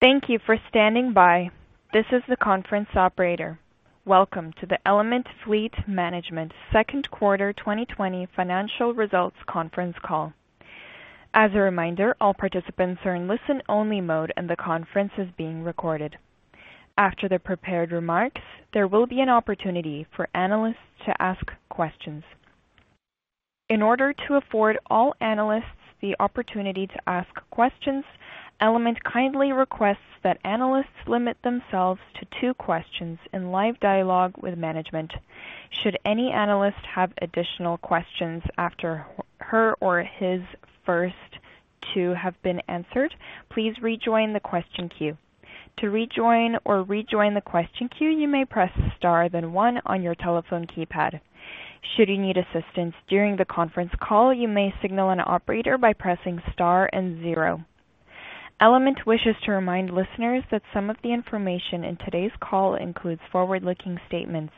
Thank you for standing by. This is the conference operator. Welcome to the Element Fleet Management second quarter 2020 financial results conference call. As a reminder, all participants are in listen-only mode, and the conference is being recorded. After the prepared remarks, there will be an opportunity for analysts to ask questions. In order to afford all analysts the opportunity to ask questions, Element kindly requests that analysts limit themselves to two questions in live dialogue with management. Should any analyst have additional questions after her or his first two have been answered, please rejoin the question queue. To rejoin or rejoin the question queue, you may press star then one on your telephone keypad. Should you need assistance during the conference call, you may signal an operator by pressing star and zero. Element wishes to remind listeners that some of the information in today's call includes forward-looking statements.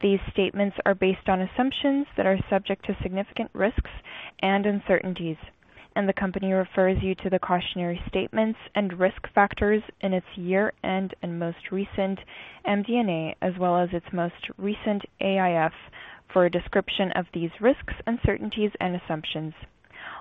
These statements are based on assumptions that are subject to significant risks and uncertainties, and the company refers you to the cautionary statements and risk factors in its year-end and most recent MD&A, as well as its most recent AIF, for a description of these risks, uncertainties, and assumptions.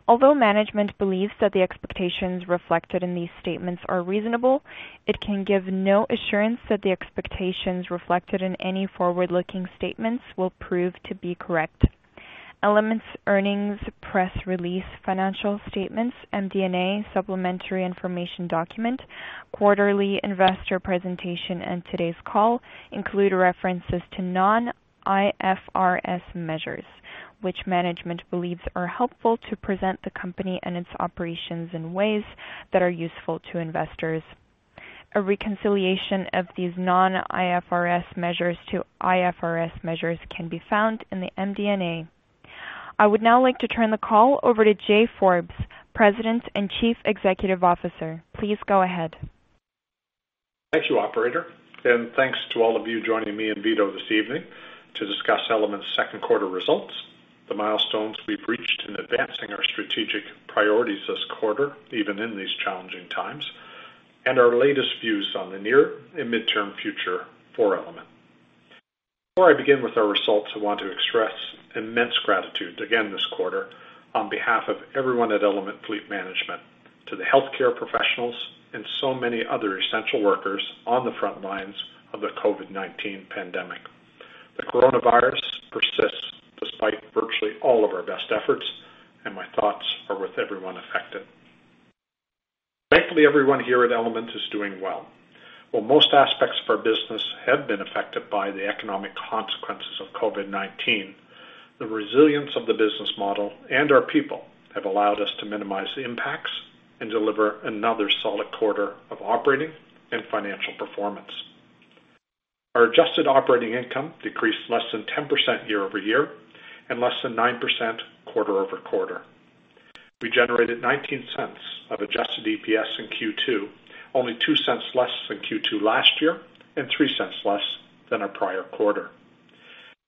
Although management believes that the expectations reflected in these statements are reasonable, it can give no assurance that the expectations reflected in any forward-looking statements will prove to be correct. Element's earnings press release, financial statements, MD&A, supplementary information document, quarterly investor presentation, and today's call include references to non-IFRS measures, which management believes are helpful to present the company and its operations in ways that are useful to investors. A reconciliation of these non-IFRS measures to IFRS measures can be found in the MD&A. I would now like to turn the call over to Jay Forbes, President and Chief Executive Officer. Please go ahead. Thank you, operator, and thanks to all of you joining me and Vito this evening to discuss Element's second quarter results, the milestones we've reached in advancing our strategic priorities this quarter, even in these challenging times, and our latest views on the near and midterm future for Element. Before I begin with our results, I want to express immense gratitude again this quarter on behalf of everyone at Element Fleet Management to the healthcare professionals and so many other essential workers on the front lines of the COVID-19 pandemic. The coronavirus persists despite virtually all of our best efforts, and my thoughts are with everyone affected. Thankfully, everyone here at Element is doing well. While most aspects of our business have been affected by the economic consequences of COVID-19, the resilience of the business model and our people have allowed us to minimize the impacts and deliver another solid quarter of operating and financial performance. Our adjusted operating income decreased less than 10% year-over-year and less than 9% quarter-over-quarter. We generated 0.19 of adjusted EPS in Q2, only 0.02 less than Q2 last year and 0.03 less than our prior quarter.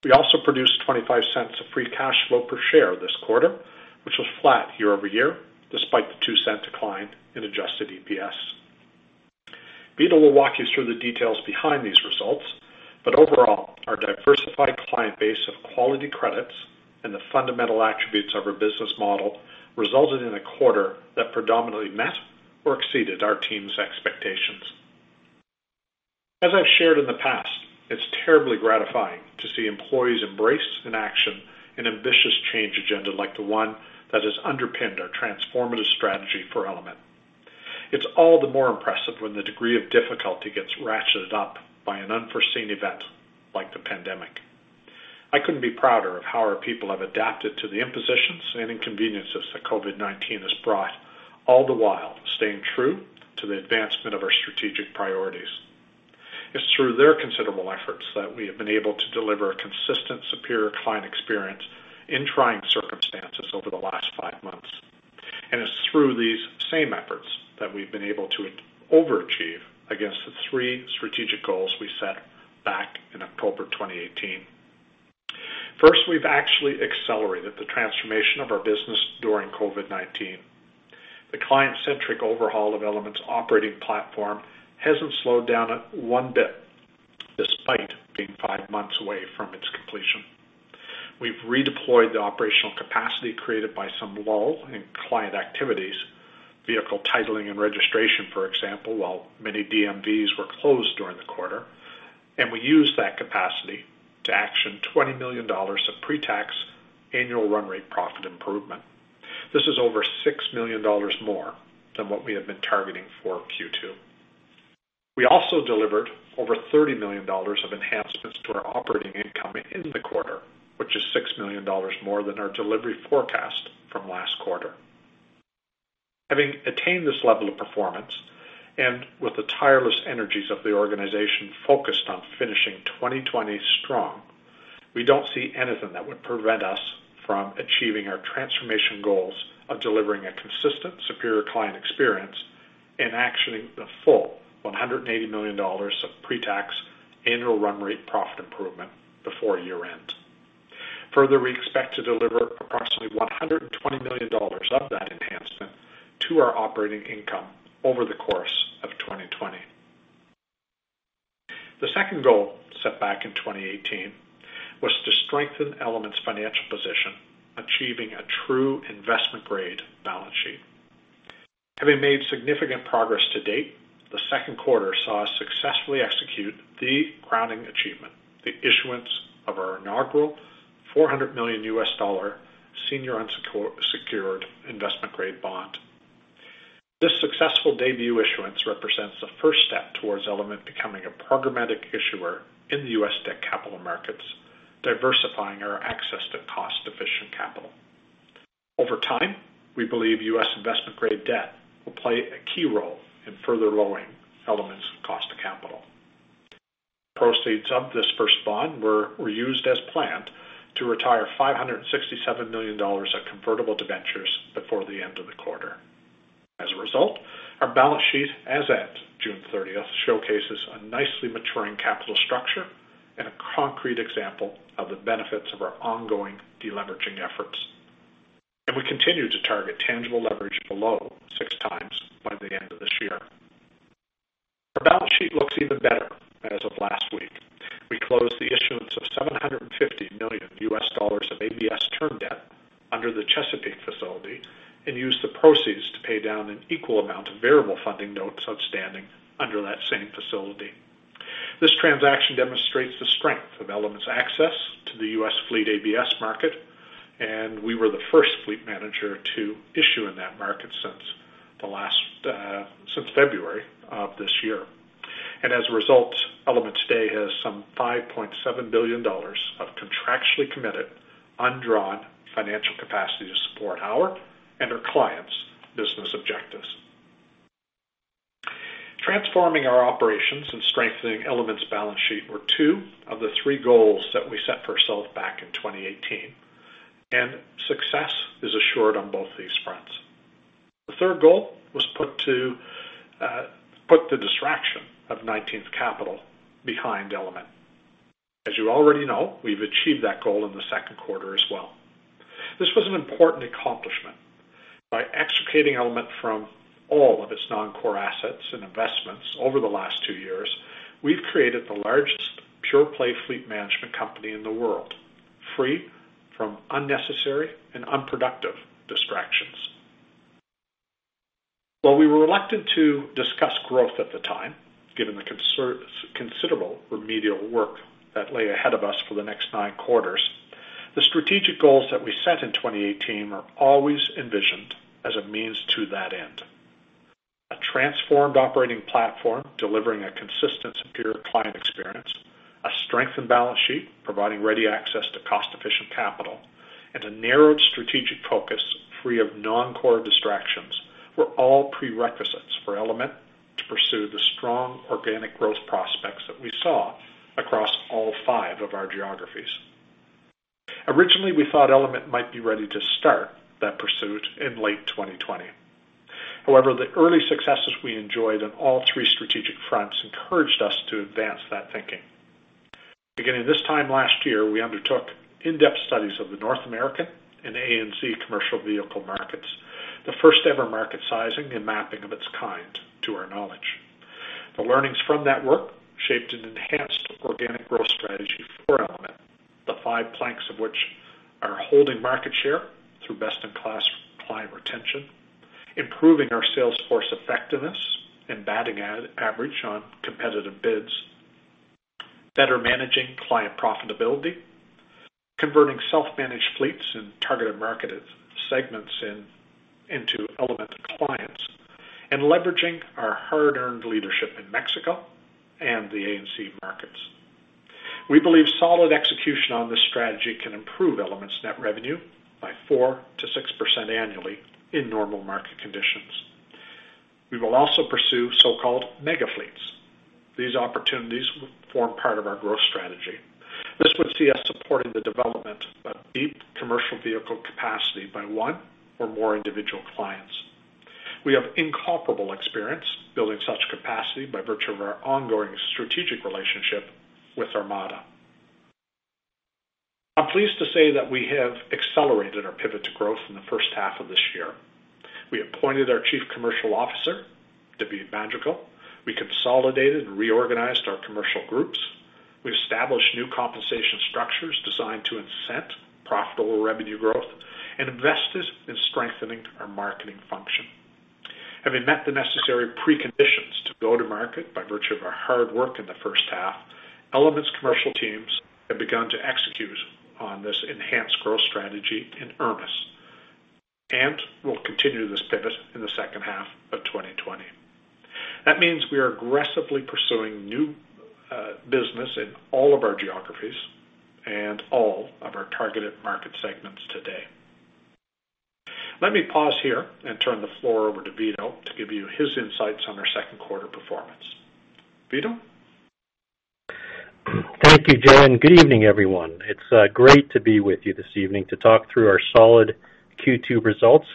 We also produced 0.25 of free cash flow per share this quarter, which was flat year-over-year despite the 0.02 decline in adjusted EPS. Vito will walk you through the details behind these results. Overall, our diversified client base of quality credits and the fundamental attributes of our business model resulted in a quarter that predominantly met or exceeded our team's expectations. As I've shared in the past, it's terribly gratifying to see employees embrace in action an ambitious change agenda like the one that has underpinned our transformative strategy for Element. It's all the more impressive when the degree of difficulty gets ratcheted up by an unforeseen event like the pandemic. I couldn't be prouder of how our people have adapted to the impositions and inconveniences that COVID-19 has brought, all the while staying true to the advancement of our strategic priorities. It's through their considerable efforts that we have been able to deliver a consistent, superior client experience in trying circumstances over the last five months. It's through these same efforts that we've been able to overachieve against the three strategic goals we set back in October 2018. First, we've actually accelerated the transformation of our business during COVID-19. The client-centric overhaul of Element's operating platform hasn't slowed down one bit despite being five months away from its completion. We've redeployed the operational capacity created by some lull in client activities, vehicle titling and registration, for example, while many DMVs were closed during the quarter, and we used that capacity to action 20 million dollars of pre-tax annual run rate profit improvement. This is over six million dollars more than what we had been targeting for Q2. We also delivered over 30 million dollars of enhancements to our operating income in the quarter, which is 6 million dollars more than our delivery forecast from last quarter. Having attained this level of performance, and with the tireless energies of the organization focused on finishing 2020 strong, we don't see anything that would prevent us from achieving our transformation goals of delivering a consistent, superior client experience and actioning the full 180 million dollars of pre-tax annual run rate profit improvement before year-end. We expect to deliver approximately 120 million dollars of that enhancement to our operating income over the course of 2020. The second goal, set back in 2018, was to strengthen Element's financial position, achieving a true investment-grade balance sheet. Having made significant progress to date, the second quarter saw us successfully execute the crowning achievement, the issuance of our inaugural $400 million U.S. dollar senior unsecured investment-grade bond. This successful debut issuance represents the first step towards Element becoming a programmatic issuer in the U.S. debt capital markets, diversifying our access to cost-efficient capital. Over time, we believe U.S. investment-grade debt will play a key role in further lowering Element's cost of capital. Proceeds of this first bond were used as planned to retire $567 million of convertible debentures before the end of the quarter. As a result, our balance sheet as at June 30th, showcases a nicely maturing capital structure and a concrete example of the benefits of our ongoing deleveraging efforts. We continue to target tangible leverage below 6x by the end of this year. Our balance sheet looks even better as of last week. We closed the issuance of $750 million of ABS term debt under the Chesapeake facility and used the proceeds to pay down an equal amount of variable funding notes outstanding under that same facility. This transaction demonstrates the strength of Element's access to the U.S. Fleet ABS market. We were the first fleet manager to issue in that market since February of this year. As a result, Element today has some 5.7 billion dollars of contractually committed, undrawn financial capacity to support our and our clients' business objectives. Transforming our operations and strengthening Element's balance sheet were two of the three goals that we set for ourselves back in 2018, and success is assured on both these fronts. The third goal was put the distraction of 19th Capital behind Element. As you already know, we've achieved that goal in the second quarter as well. This was an important accomplishment. By extricating Element from all of its non-core assets and investments over the last two years, we've created the largest pure-play fleet management company in the world, free from unnecessary and unproductive distractions. While we were reluctant to discuss growth at the time, given the considerable remedial work that lay ahead of us for the next nine quarters, the strategic goals that we set in 2018 are always envisioned as a means to that end. A transformed operating platform delivering a consistent, superior client experience, a strengthened balance sheet providing ready access to cost-efficient capital, and a narrowed strategic focus free of non-core distractions, were all prerequisites for Element to pursue the strong organic growth prospects that we saw across all five of our geographies. Originally, we thought Element might be ready to start that pursuit in late 2020. However, the early successes we enjoyed on all three strategic fronts encouraged us to advance that thinking. Beginning this time last year, we undertook in-depth studies of the North American and ANZ commercial vehicle markets, the first-ever market sizing and mapping of its kind to our knowledge. The learnings from that work shaped an enhanced organic growth strategy for Element, the five planks of which are holding market share through best-in-class client retention, improving our sales force effectiveness, and batting average on competitive bids, better managing client profitability, converting self-managed fleets and targeted market segments into Element clients, and leveraging our hard-earned leadership in Mexico and the ANZ markets. We believe solid execution on this strategy can improve Element's net revenue by 4%-6% annually in normal market conditions. We will also pursue so-called mega fleets. These opportunities will form part of our growth strategy. This would see us supporting the development of a deep commercial vehicle capacity by one or more individual clients. We have incomparable experience building such capacity by virtue of our ongoing strategic relationship with Armada. I'm pleased to say that we have accelerated our pivot to growth in the first half of this year. We appointed our chief commercial officer, David Madrigal. We consolidated and reorganized our commercial groups. We established new compensation structures designed to incent profitable revenue growth and invested in strengthening our marketing function. Having met the necessary preconditions to go to market by virtue of our hard work in the first half, Element's commercial teams have begun to execute on this enhanced growth strategy in earnest, and will continue this pivot in the second half of 2020. That means we are aggressively pursuing new business in all of our geographies and all of our targeted market segments today. Let me pause here and turn the floor over to Vito to give you his insights on our second quarter performance. Vito? Thank you, Jay. Good evening, everyone. It's great to be with you this evening to talk through our solid Q2 results,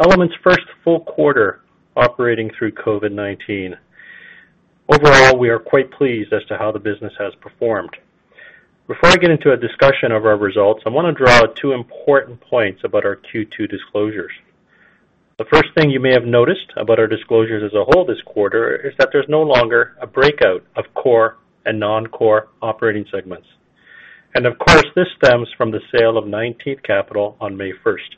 Element's first full quarter operating through COVID-19. Overall, we are quite pleased as to how the business has performed. Before I get into a discussion of our results, I want to draw two important points about our Q2 disclosures. The first thing you may have noticed about our disclosures as a whole this quarter is that there's no longer a breakout of core and non-core operating segments. Of course, this stems from the sale of 19th Capital on May 1st,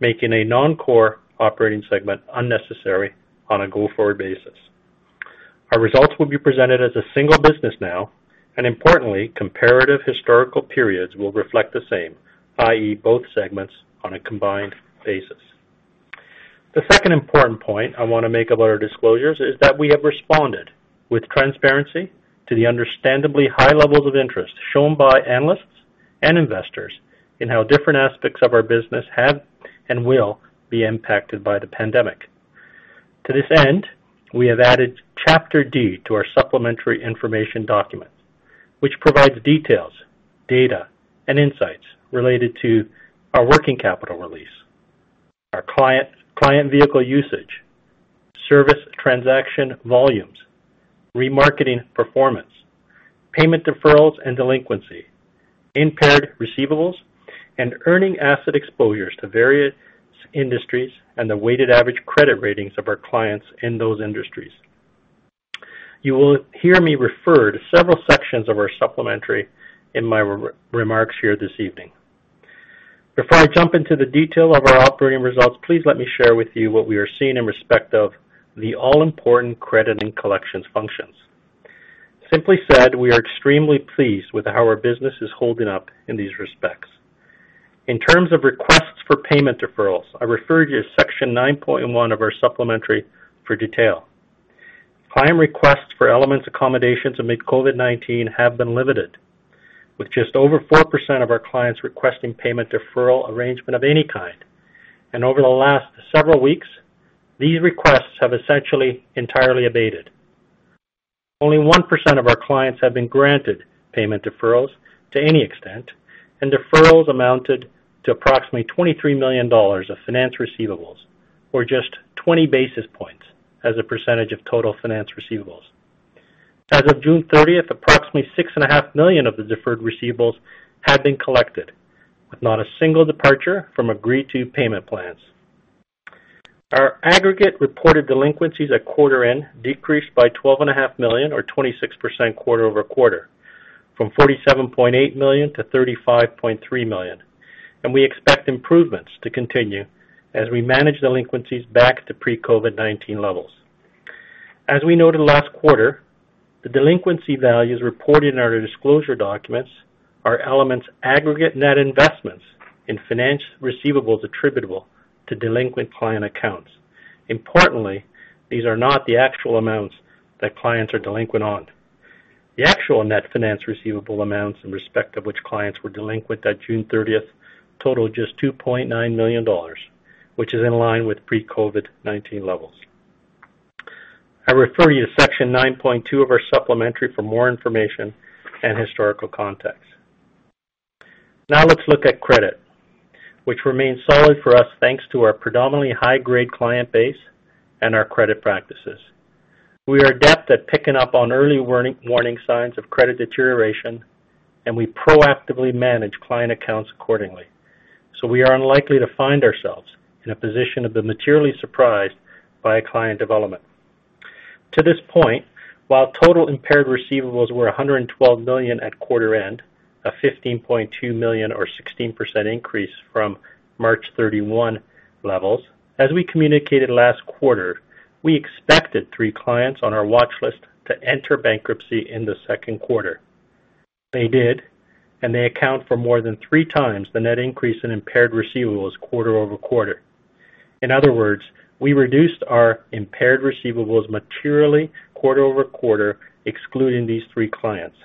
making a non-core operating segment unnecessary on a go-forward basis. Our results will be presented as a single business now, and importantly, comparative historical periods will reflect the same, i.e., both segments on a combined basis. The second important point I want to make about our disclosures is that we have responded with transparency to the understandably high levels of interest shown by analysts and investors in how different aspects of our business have and will be impacted by the pandemic. To this end, we have added Chapter D to our supplementary information document, which provides details, data, and insights related to our working capital release, our client vehicle usage, service transaction volumes, remarketing performance, payment deferrals and delinquency, impaired receivables, and earning asset exposures to various industries, and the weighted average credit ratings of our clients in those industries. You will hear me refer to several sections of our supplementary in my remarks here this evening. Before I jump into the detail of our operating results, please let me share with you what we are seeing in respect of the all-important credit and collections functions. Simply said, we are extremely pleased with how our business is holding up in these respects. In terms of requests for payment deferrals, I refer you to section 9.1 of our supplementary for detail. Client requests for Element's accommodations amid COVID-19 have been limited, with just over 4% of our clients requesting payment deferral arrangement of any kind. Over the last several weeks, these requests have essentially entirely abated. Only 1% of our clients have been granted payment deferrals to any extent, and deferrals amounted to approximately 23 million dollars of finance receivables, or just 20 basis points as a percentage of total finance receivables. As of June 30th, approximately 6.5 million of the deferred receivables had been collected, with not a single departure from agreed-to payment plans. Our aggregate reported delinquencies at quarter end decreased by 12.5 million or 26% quarter-over-quarter, from 47.8 million to 35.3 million. We expect improvements to continue as we manage delinquencies back to pre-COVID-19 levels. As we noted last quarter, the delinquency values reported in our disclosure documents are Element's aggregate net investments in finance receivables attributable to delinquent client accounts. Importantly, these are not the actual amounts that clients are delinquent on. The actual net finance receivable amounts in respect of which clients were delinquent at June 30th totaled just 2.9 million dollars, which is in line with pre-COVID-19 levels. I refer you to section 9.2 of our supplementary for more information and historical context. Let's look at credit, which remains solid for us thanks to our predominantly high-grade client base and our credit practices. We are adept at picking up on early warning signs of credit deterioration, and we proactively manage client accounts accordingly. We are unlikely to find ourselves in a position of being materially surprised by a client development. To this point, while total impaired receivables were 112 million at quarter end, a 15.2 million or 16% increase from March 31 levels, as we communicated last quarter, we expected three clients on our watch list to enter bankruptcy in the second quarter. They did. They account for more than three times the net increase in impaired receivables quarter-over-quarter. In other words, we reduced our impaired receivables materially quarter-over-quarter, excluding these three clients.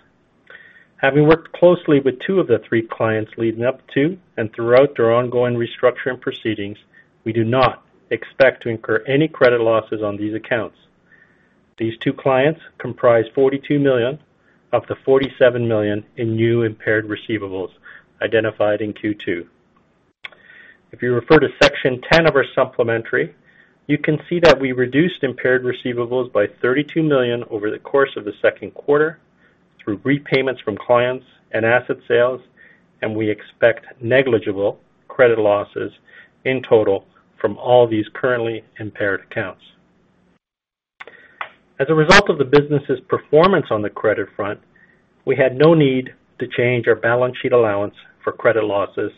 Having worked closely with two of the three clients leading up to and throughout their ongoing restructuring proceedings, we do not expect to incur any credit losses on these accounts. These two clients comprise 42 million of the 47 million in new impaired receivables identified in Q2. If you refer to section 10 of our supplementary, you can see that we reduced impaired receivables by 32 million over the course of the second quarter through repayments from clients and asset sales, and we expect negligible credit losses in total from all these currently impaired accounts. As a result of the business's performance on the credit front, we had no need to change our balance sheet allowance for credit losses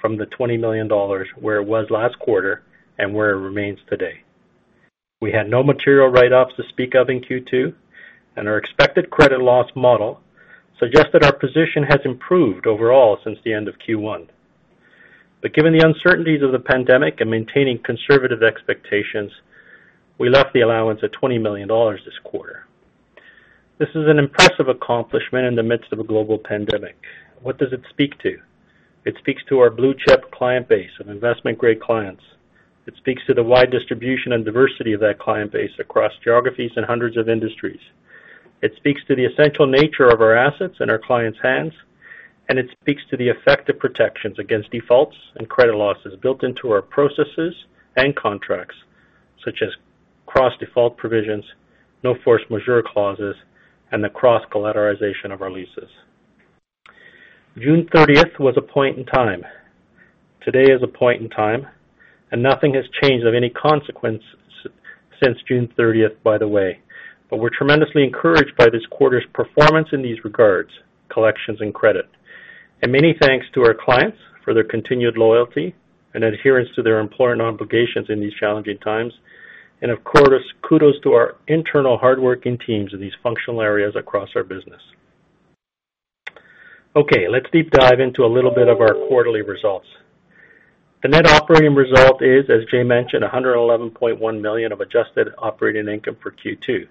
from the 20 million dollars where it was last quarter and where it remains today. We had no material write-offs to speak of in Q2, and our expected credit loss model suggests that our position has improved overall since the end of Q1. Given the uncertainties of the pandemic and maintaining conservative expectations, we left the allowance for credit losses at 20 million dollars this quarter. This is an impressive accomplishment in the midst of a global pandemic. What does it speak to? It speaks to our blue-chip client base of investment-grade clients. It speaks to the wide distribution and diversity of that client base across geographies and hundreds of industries. It speaks to the essential nature of our assets in our clients' hands. It speaks to the effective protections against defaults and credit losses built into our processes and contracts, such as cross-default provisions, no force majeure clauses, and the cross-collateralization of our leases. June 30th was a point in time. Today is a point in time, and nothing has changed of any consequence since June 30th, by the way. We're tremendously encouraged by this quarter's performance in these regards, collections and credit. Many thanks to our clients for their continued loyalty and adherence to their employer obligations in these challenging times. Of course, kudos to our internal hardworking teams in these functional areas across our business. Okay, let's deep dive into a little bit of our quarterly results. The net operating result is, as Jay mentioned, 111.1 million of adjusted operating income for Q2,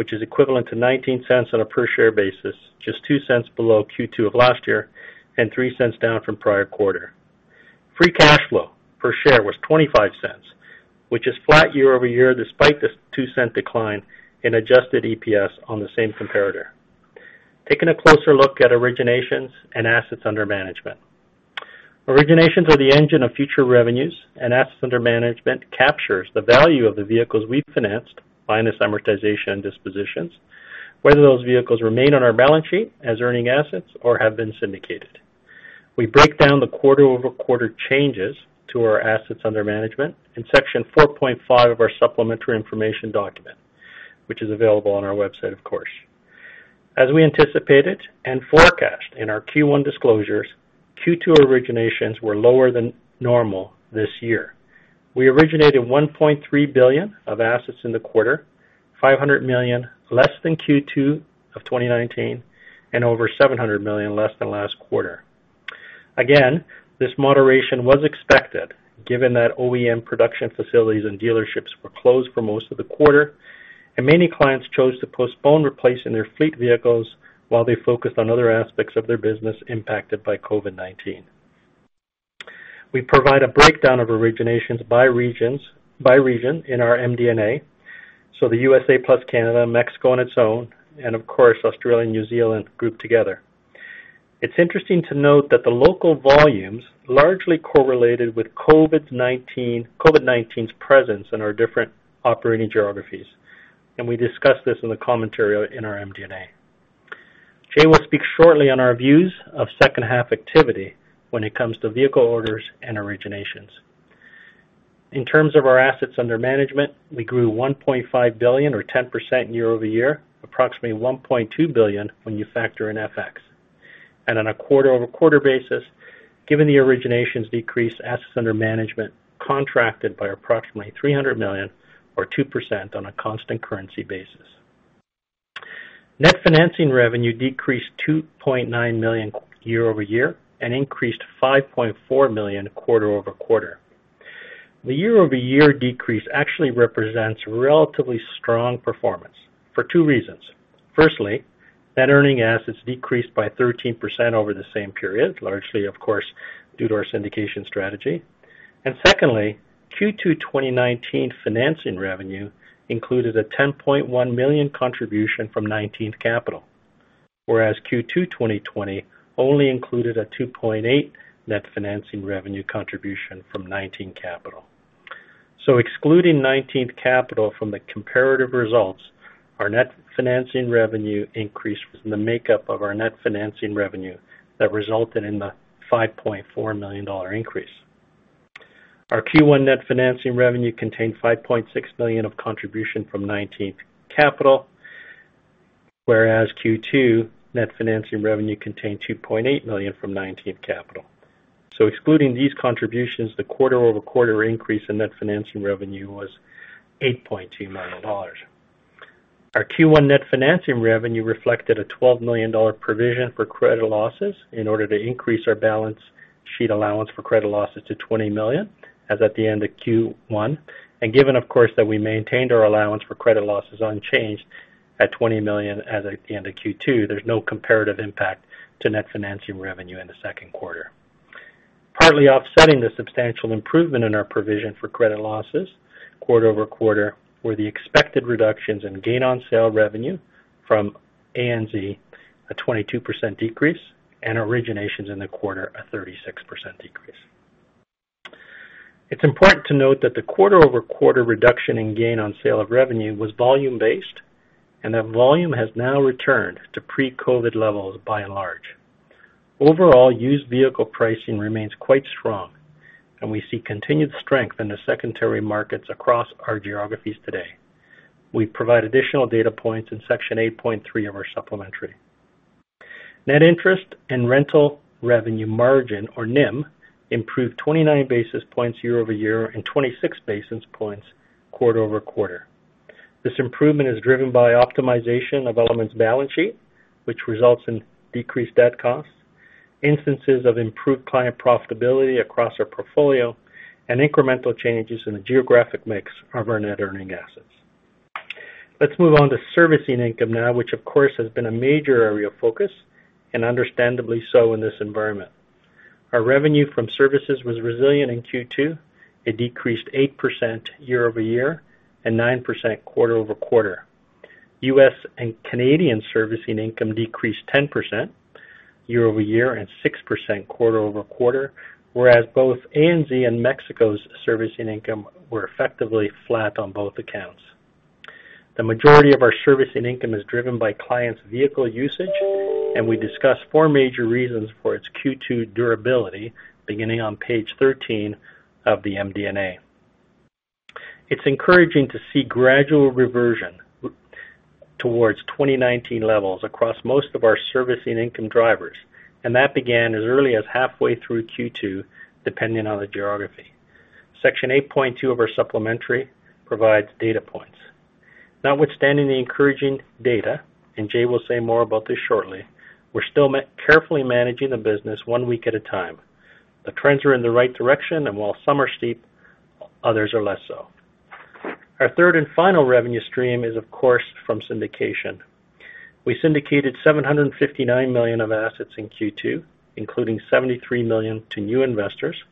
which is equivalent to 0.19 on a per-share basis, just 0.02 below Q2 of last year, and 0.03 down from prior quarter. free cash flow per share was 0.25, which is flat year-over-year despite this 0.02 decline in adjusted EPS on the same comparator. Taking a closer look at originations and assets under management. Originations are the engine of future revenues. Assets under management captures the value of the vehicles we've financed minus amortization and dispositions, whether those vehicles remain on our balance sheet as earning assets or have been syndicated. We break down the quarter-over-quarter changes to our assets under management in Section 4.5 of our supplementary information document, which is available on our website of course. As we anticipated and forecast in our Q1 disclosures, Q2 originations were lower than normal this year. We originated 1.3 billion of assets in the quarter, 500 million less than Q2 of 2019, over 700 million less than last quarter. This moderation was expected given that OEM production facilities and dealerships were closed for most of the quarter, and many clients chose to postpone replacing their fleet vehicles while they focused on other aspects of their business impacted by COVID-19. We provide a breakdown of originations by region in our MD&A, so the U.S.A. plus Canada, Mexico on its own, and of course, Australia and New Zealand grouped together. It's interesting to note that the local volumes largely correlated with COVID-19's presence in our different operating geographies, and we discuss this in the commentary in our MD&A. Jay will speak shortly on our views of second half activity when it comes to vehicle orders and originations. In terms of our assets under management, we grew 1.5 billion or 10% year-over-year, approximately 1.2 billion when you factor in FX. On a quarter-over-quarter basis, given the originations decrease, assets under management contracted by approximately 300 million or 2% on a constant currency basis. Net financing revenue decreased 2.9 million year-over-year and increased 5.4 million quarter-over-quarter. The year-over-year decrease actually represents relatively strong performance for two reasons. Firstly, net earning assets decreased by 13% over the same period, largely, of course, due to our syndication strategy. Secondly, Q2 2019 financing revenue included a 10.1 million contribution from 19th Capital, whereas Q2 2020 only included a 2.8 million net financing revenue contribution from 19th Capital. Excluding 19th Capital from the comparative results, our net financing revenue increase was in the makeup of our net financing revenue that resulted in the 5.4 million dollar increase. Our Q1 net financing revenue contained 5.6 million of contribution from 19th Capital, whereas Q2 net financing revenue contained 2.8 million from 19th Capital. Excluding these contributions, the quarter-over-quarter increase in net financing revenue was 8.2 million dollars. Our Q1 net financing revenue reflected a 12 million dollar provision for credit losses in order to increase our balance sheet allowance for credit losses to 20 million as at the end of Q1. Given, of course, that we maintained our allowance for credit losses unchanged at 20 million as at the end of Q2, there's no comparative impact to net financing revenue in the second quarter. Partly offsetting the substantial improvement in our provision for credit losses quarter-over-quarter were the expected reductions in gain on sale revenue from ANZ, a 22% decrease, and originations in the quarter, a 36% decrease. It's important to note that the quarter-over-quarter reduction in gain on sale revenue was volume-based, and that volume has now returned to pre-COVID levels by and large. Overall, used vehicle pricing remains quite strong, and we see continued strength in the secondary markets across our geographies today. We provide additional data points in Section 8.3 of our supplementary. Net interest and rental revenue margin, or NIM, improved 29 basis points year-over-year and 26 basis points quarter-over-quarter. This improvement is driven by optimization of Element's balance sheet, which results in decreased debt costs, instances of improved client profitability across our portfolio, and incremental changes in the geographic mix of our net earning assets. Let's move on to servicing income now, which of course has been a major area of focus and understandably so in this environment. Our revenue from services was resilient in Q2. It decreased 8% year-over-year and 9% quarter-over-quarter. U.S. and Canadian servicing income decreased 10% year-over-year and 6% quarter-over-quarter, whereas both ANZ and Mexico's servicing income were effectively flat on both accounts. We discuss four major reasons for its Q2 durability, beginning on page 13 of the MD&A. It's encouraging to see gradual reversion towards 2019 levels across most of our servicing income drivers, and that began as early as halfway through Q2, depending on the geography. Section 8.2 of our supplementary provides data points. Notwithstanding the encouraging data, and Jay will say more about this shortly, we're still carefully managing the business one week at a time. The trends are in the right direction, and while some are steep, others are less so. Our third and final revenue stream is, of course, from syndication. We syndicated 759 million of assets in Q2, including 73 million to new investors,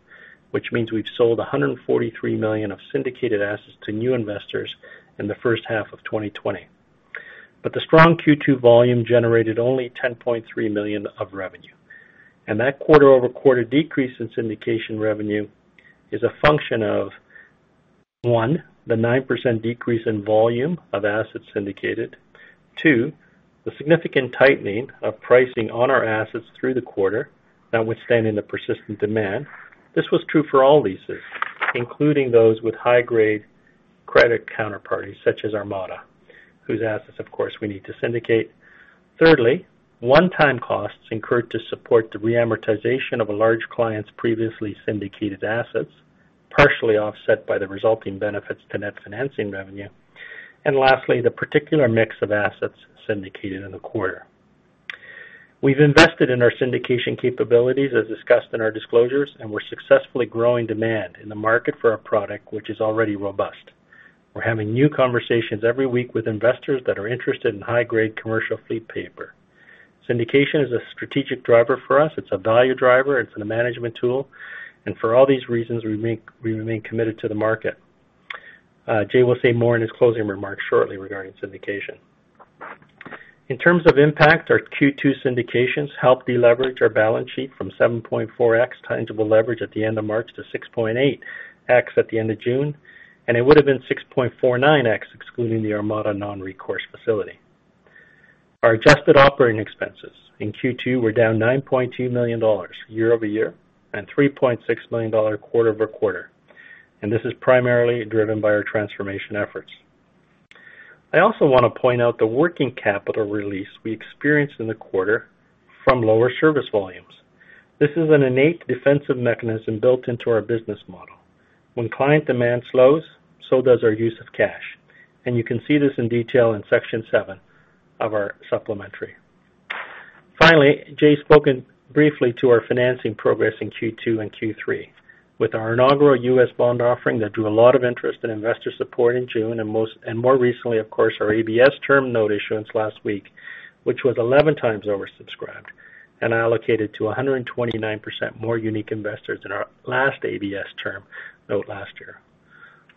which means we've sold 143 million of syndicated assets to new investors in the first half of 2020. The strong Q2 volume generated only 10.3 million of revenue. That quarter-over-quarter decrease in syndication revenue is a function of, one, the 9% decrease in volume of assets syndicated. Two, the significant tightening of pricing on our assets through the quarter, notwithstanding the persistent demand. This was true for all leases, including those with high-grade credit counterparties, such as Armada, whose assets, of course, we need to syndicate. Thirdly, one-time costs incurred to support the re-amortization of a large client's previously syndicated assets, partially offset by the resulting benefits to net financing revenue. Lastly, the particular mix of assets syndicated in the quarter. We've invested in our syndication capabilities, as discussed in our disclosures, and we're successfully growing demand in the market for our product, which is already robust. We're having new conversations every week with investors that are interested in high-grade commercial fleet paper. Syndication is a strategic driver for us. It's a value driver. It's a management tool. For all these reasons, we remain committed to the market. Jay will say more in his closing remarks shortly regarding syndication. In terms of impact, our Q2 syndications helped deleverage our balance sheet from 7.4x tangible leverage at the end of March to 6.8x at the end of June, and it would've been 6.49x excluding the Armada non-recourse facility. Our adjusted operating expenses in Q2 were down 9.2 million dollars year-over-year and 3.6 million dollar quarter-over-quarter. This is primarily driven by our transformation efforts. I also want to point out the working capital release we experienced in the quarter from lower service volumes. This is an innate defensive mechanism built into our business model. When client demand slows, so does our use of cash, and you can see this in detail in Section seven of our supplementary. Jay spoken briefly to our financing progress in Q2 and Q3. Our inaugural U.S. bond offering that drew a lot of interest and investor support in June, and more recently, of course, our ABS term note issuance last week, which was 11x oversubscribed and allocated to 129% more unique investors than our last ABS term note last year.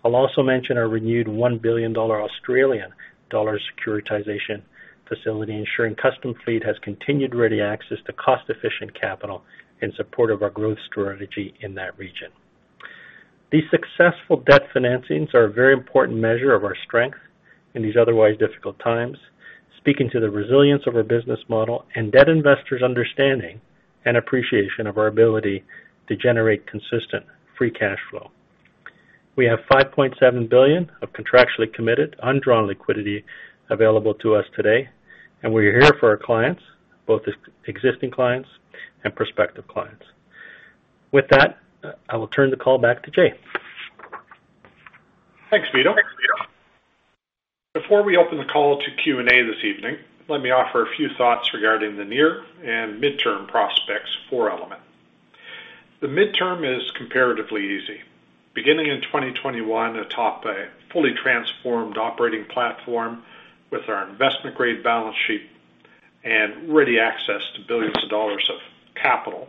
I'll also mention our renewed 1 billion Australian dollar securitization facility, ensuring Custom Fleet has continued ready access to cost-efficient capital in support of our growth strategy in that region. These successful debt financings are a very important measure of our strength in these otherwise difficult times, speaking to the resilience of our business model and debt investors' understanding and appreciation of our ability to generate consistent free cash flow. We have 5.7 billion of contractually committed undrawn liquidity available to us today. We're here for our clients, both existing clients and prospective clients. With that, I will turn the call back to Jay. Thanks, Vito. Before we open the call to Q&A this evening, let me offer a few thoughts regarding the near and midterm prospects for Element. The midterm is comparatively easy. Beginning in 2021, atop a fully transformed operating platform with our investment-grade balance sheet and ready access to billions of dollars of capital,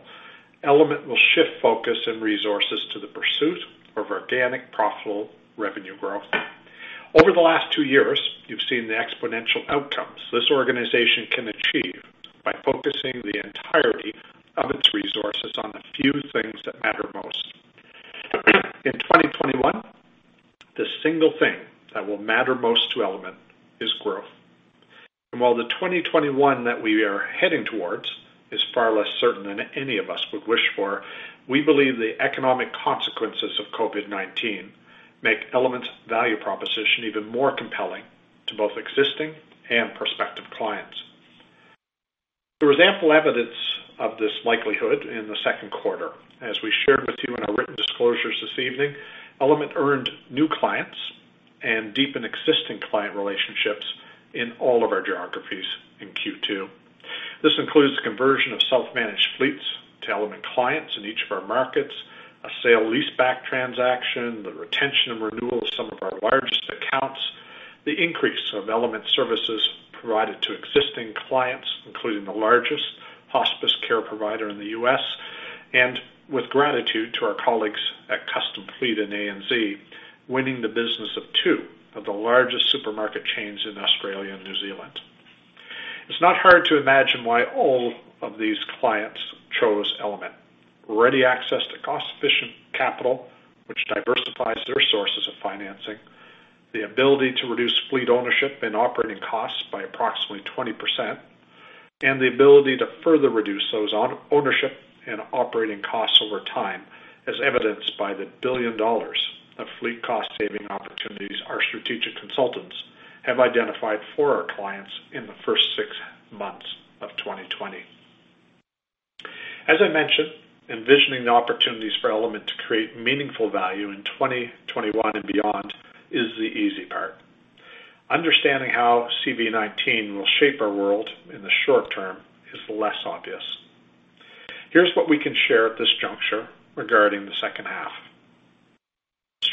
Element will shift focus and resources to the pursuit of organic, profitable revenue growth. Over the last two years, you've seen the exponential outcomes this organization can achieve by focusing the entirety of its resources on the few things that matter most. In 2021, the single thing that will matter most to Element is growth. While the 2021 that we are heading towards is far less certain than any of us would wish for, we believe the economic consequences of COVID-19 make Element's value proposition even more compelling to both existing and prospective clients. There was ample evidence of this likelihood in the second quarter. As we shared with you in our written disclosures this evening, Element earned new clients and deepened existing client relationships in all of our geographies in Q2. This includes the conversion of self-managed fleets to Element clients in each of our markets, a sale-leaseback transaction, the retention and renewal of some of our largest accounts, the increase of Element services provided to existing clients, including the largest hospice care provider in the U.S. With gratitude to our colleagues at Custom Fleet in ANZ, winning the business of two of the largest supermarket chains in Australia and New Zealand. It's not hard to imagine why all of these clients chose Element. Ready access to cost-efficient capital, which diversifies their sources of financing, the ability to reduce fleet ownership and operating costs by approximately 20%, and the ability to further reduce those ownership and operating costs over time, as evidenced by the 1 billion dollars of fleet cost-saving opportunities our strategic consultants have identified for our clients in the first six months of 2020. As I mentioned, envisioning the opportunities for Element to create meaningful value in 2021 and beyond is the easy part. Understanding how CV-19 will shape our world in the short term is less obvious. Here's what we can share at this juncture regarding the second half.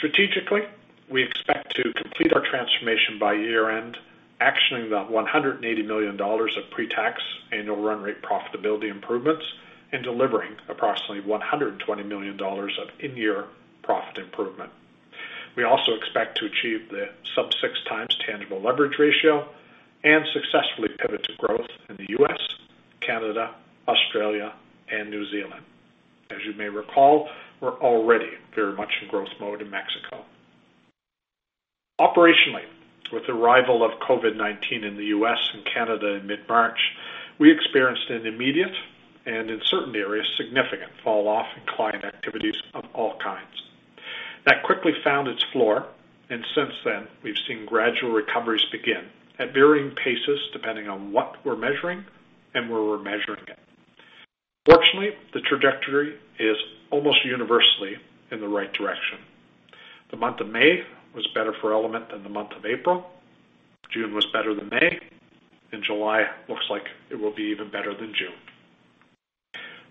Strategically, we expect to complete our transformation by year-end, actioning the 180 million dollars of pre-tax annual run rate profitability improvements, and delivering approximately 120 million dollars of in-year profit improvement. We also expect to achieve the sub six times tangible leverage ratio and successfully pivot to growth in the U.S., Canada, Australia, and New Zealand. As you may recall, we're already very much in growth mode in Mexico. Operationally, with the arrival of COVID-19 in the U.S. and Canada in mid-March, we experienced an immediate, and in certain areas, significant fall-off in client activities of all kinds. That quickly found its floor, and since then, we've seen gradual recoveries begin at varying paces, depending on what we're measuring and where we're measuring it. Fortunately, the trajectory is almost universally in the right direction. The month of May was better for Element than the month of April. June was better than May, and July looks like it will be even better than June.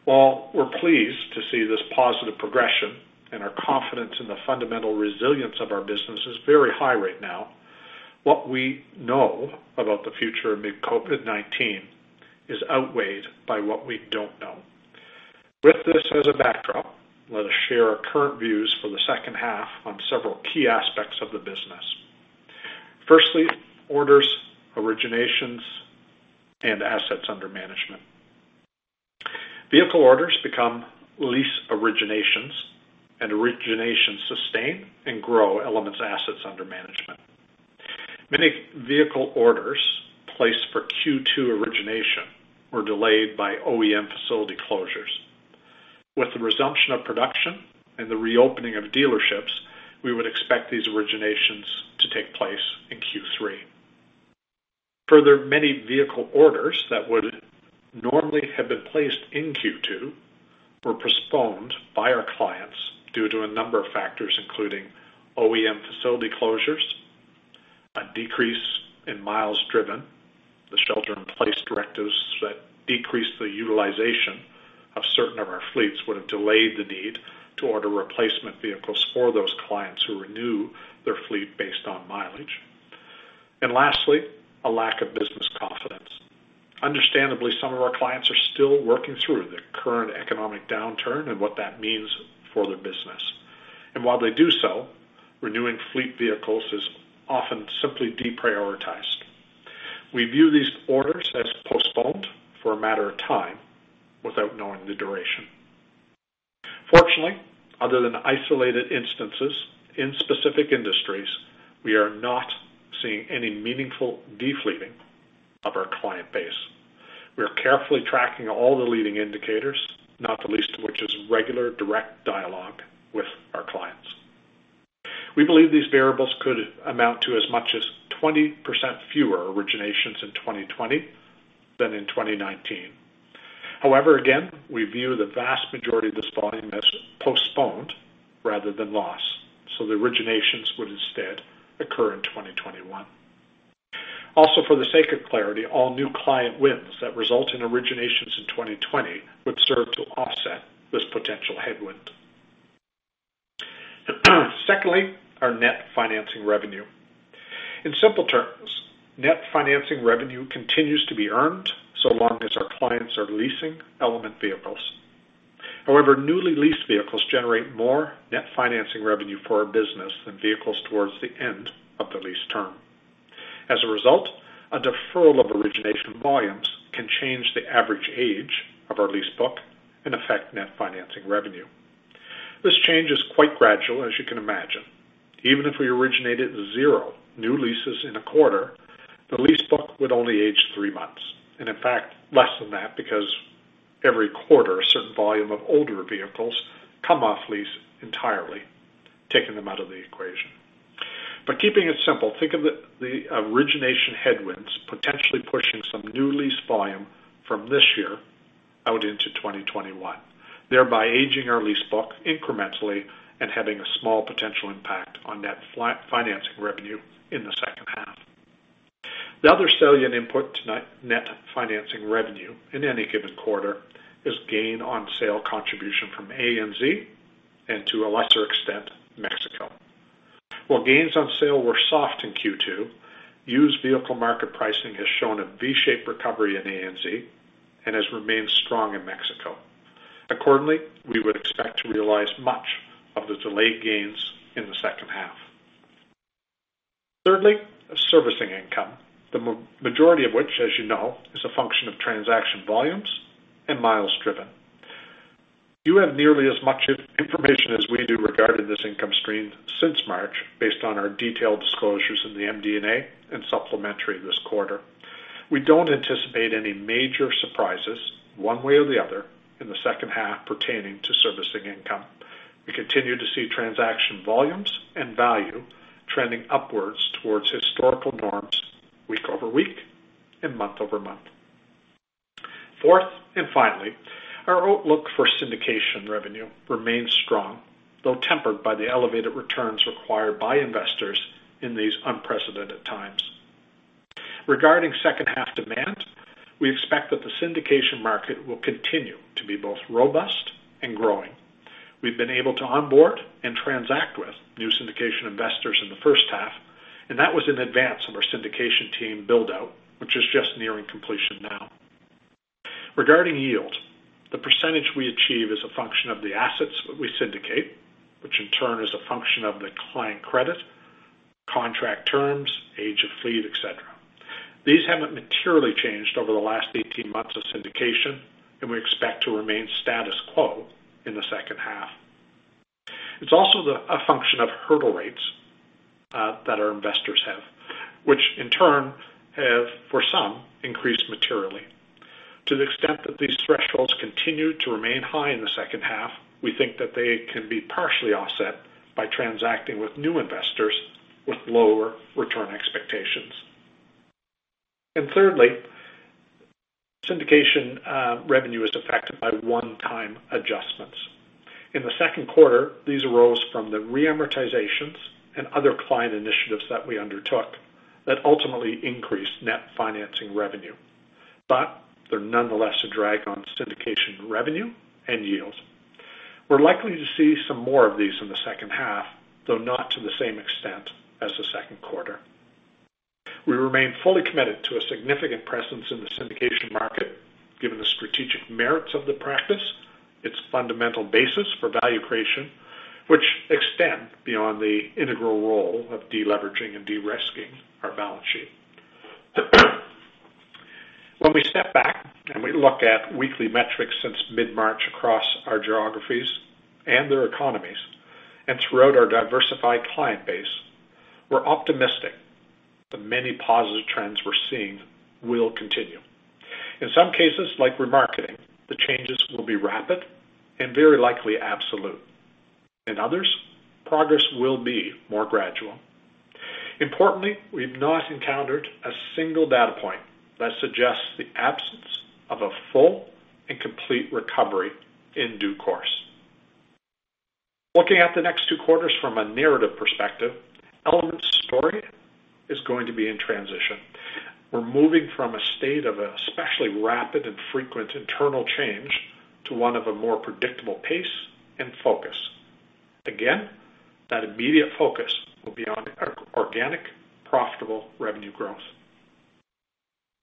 While we're pleased to see this positive progression, and our confidence in the fundamental resilience of our business is very high right now, what we know about the future amid COVID-19 is outweighed by what we don't know. With this as a backdrop, let us share our current views for the second half on several key aspects of the business. Firstly, orders, originations, and assets under management. Vehicle orders become lease originations, and originations sustain and grow Element's assets under management. Many vehicle orders placed for Q2 origination were delayed by OEM facility closures. With the resumption of production and the reopening of dealerships, we would expect these originations to take place in Q3. Many vehicle orders that would normally have been placed in Q2 were postponed by our clients due to a number of factors, including OEM facility closures, a decrease in miles driven, the shelter in place directives that decreased the utilization of certain of our fleets would have delayed the need to order replacement vehicles for those clients who renew their fleet based on mileage. Lastly, a lack of business confidence. Understandably, some of our clients are still working through the current economic downturn and what that means for their business. While they do so, renewing fleet vehicles is often simply deprioritized. We view these orders as postponed for a matter of time without knowing the duration. Fortunately, other than isolated instances in specific industries, we are not seeing any meaningful de-fleeting of our client base. We are carefully tracking all the leading indicators, not the least of which is regular direct dialogue with our clients. We believe these variables could amount to as much as 20% fewer originations in 2020 than in 2019. Again, we view the vast majority of this volume as postponed rather than lost, so the originations would instead occur in 2021. For the sake of clarity, all new client wins that result in originations in 2020 would serve to offset this potential headwind. Secondly, our net financing revenue. In simple terms, net financing revenue continues to be earned so long as our clients are leasing Element vehicles. Newly leased vehicles generate more net financing revenue for our business than vehicles towards the end of the lease term. As a result, a deferral of origination volumes can change the average age of our lease book and affect net financing revenue. This change is quite gradual, as you can imagine. Even if we originated zero new leases in a quarter, the lease book would only age three months, and in fact, less than that because every quarter, a certain volume of older vehicles come off lease entirely, taking them out of the equation. Keeping it simple, think of the origination headwinds potentially pushing some new lease volume from this year out into 2021, thereby aging our lease book incrementally and having a small potential impact on net financing revenue in the second half. The other salient input to net financing revenue in any given quarter is gain on sale contribution from ANZ. While gains on sale were soft in Q2, used vehicle market pricing has shown a V-shaped recovery in ANZ and has remained strong in Mexico. Accordingly, we would expect to realize much of the delayed gains in the second half. Thirdly, servicing income, the majority of which, as you know, is a function of transaction volumes and miles driven. You have nearly as much information as we do regarding this income stream since March, based on our detailed disclosures in the MD&A and supplementary this quarter. We don't anticipate any major surprises one way or the other in the second half pertaining to servicing income. We continue to see transaction volumes and value trending upwards towards historical norms week-over-week and month-over-month. Fourth, and finally, our outlook for syndication revenue remains strong, though tempered by the elevated returns required by investors in these unprecedented times. Regarding second half demand, we expect that the syndication market will continue to be both robust and growing. We've been able to onboard and transact with new syndication investors in the first half, and that was in advance of our syndication team build-out, which is just nearing completion now. Regarding yield, the percentage we achieve is a function of the assets that we syndicate, which in turn is a function of the client credit, contract terms, age of fleet, et cetera. These haven't materially changed over the last 18 months of syndication, and we expect to remain status quo in the second half. It's also a function of hurdle rates that our investors have, which in turn have, for some, increased materially. To the extent that these thresholds continue to remain high in the second half, we think that they can be partially offset by transacting with new investors with lower return expectations. Thirdly, syndication revenue is affected by one-time adjustments. In the second quarter, these arose from the re-amortizations and other client initiatives that we undertook that ultimately increased net financing revenue. They're nonetheless a drag on syndication revenue and yield. We're likely to see some more of these in the second half, though not to the same extent as the second quarter. We remain fully committed to a significant presence in the syndication market, given the strategic merits of the practice, its fundamental basis for value creation, which extend beyond the integral role of de-leveraging and de-risking our balance sheet. When we step back and we look at weekly metrics since mid-March across our geographies and their economies and throughout our diversified client base, we're optimistic the many positive trends we're seeing will continue. In some cases like remarketing, the changes will be rapid and very likely absolute. In others, progress will be more gradual. Importantly, we've not encountered a single data point that suggests the absence of a full and complete recovery in due course. Looking at the next two quarters from a narrative perspective, Element's story is going to be in transition. We're moving from a state of especially rapid and frequent internal change to one of a more predictable pace and focus. Again, that immediate focus will be on organic, profitable revenue growth.